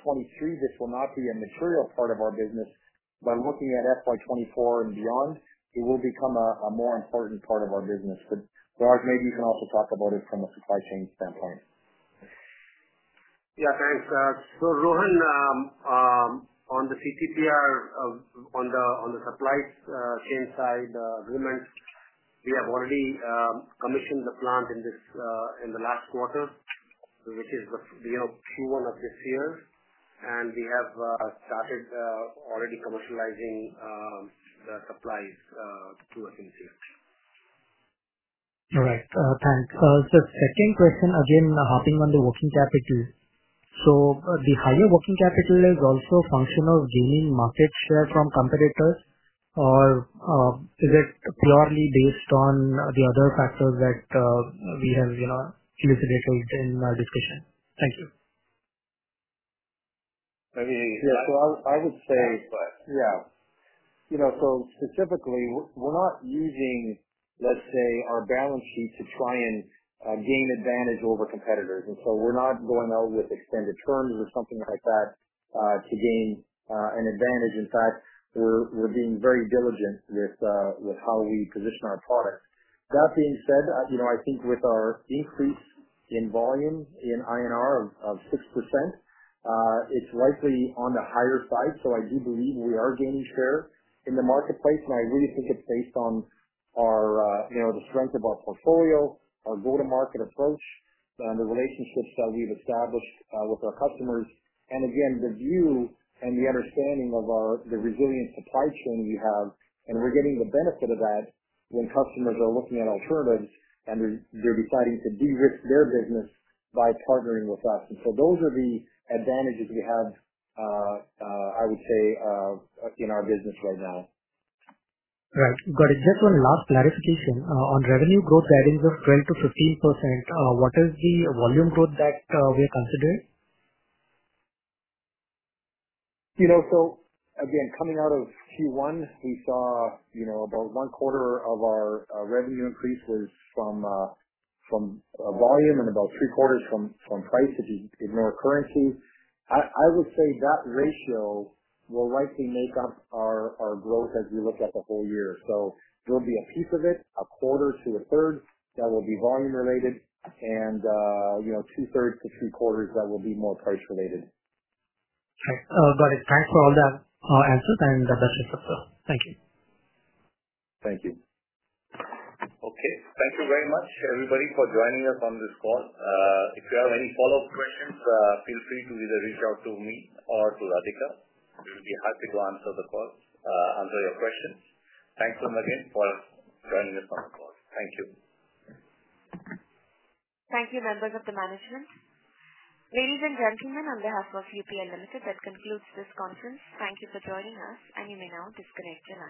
2023 this will not be a material part of our business, by looking at FY 2024 and beyond, it will become a more important part of our business. But Raj, maybe you can also talk about it from a supply chain standpoint. Yeah. Thanks. Rohan, on the chlorantraniliprole on the supply chain side agreement, we have already commissioned the plant in the last quarter, which is the you know Q1 of this year. We have started already commercializing the supplies to our customers. All right. Thanks. The second question, again, hopping on the working capital. The higher working capital is also a function of gaining market share from competitors, or is it purely based on the other factors that we have, you know, elucidated in our discussion? Thank you. You know, so specifically we're not using, let's say, our balance sheet to try and gain advantage over competitors. We're not going out with extended terms or something like that to gain an advantage. In fact, we're being very diligent with how we position our products. That being said, you know, I think with our increase in volume in INR of 6%, it's likely on the higher side. I do believe we are gaining share in the marketplace. I really think it's based on our, you know, the strength of our portfolio, our go-to-market approach, and the relationships that we've established with our customers. Again, the view and the understanding of our. The resilient supply chain we have, and we're getting the benefit of that when customers are looking at alternatives and they're deciding to de-risk their business by partnering with us. Those are the advantages we have, I would say, in our business right now. Right. Got it. Just one last clarification. On revenue growth guidance of 12%-15%, what is the volume growth that we're considering? You know, again, coming out of Q1, we saw, you know, about one quarter of our revenue increase was from volume and about three quarters from price if you ignore currency. I would say that ratio will likely make up our growth as we look at the whole year. There'll be a piece of it, a quarter to a third that will be volume related and, you know, two-thirds to three-quarters that will be more price related. Right. Got it. Thanks for all the answers and the best of luck. Thank you. Thank you. Okay. Thank you very much, everybody, for joining us on this call. If you have any follow-up questions, feel free to either reach out to me or to Radhika. We'll be happy to answer your questions. Thanks again for joining us on the call. Thank you. Thank you, members of the management. Ladies and gentlemen, on behalf of UPL Limited, that concludes this conference. Thank you for joining us, and you may now disconnect your lines.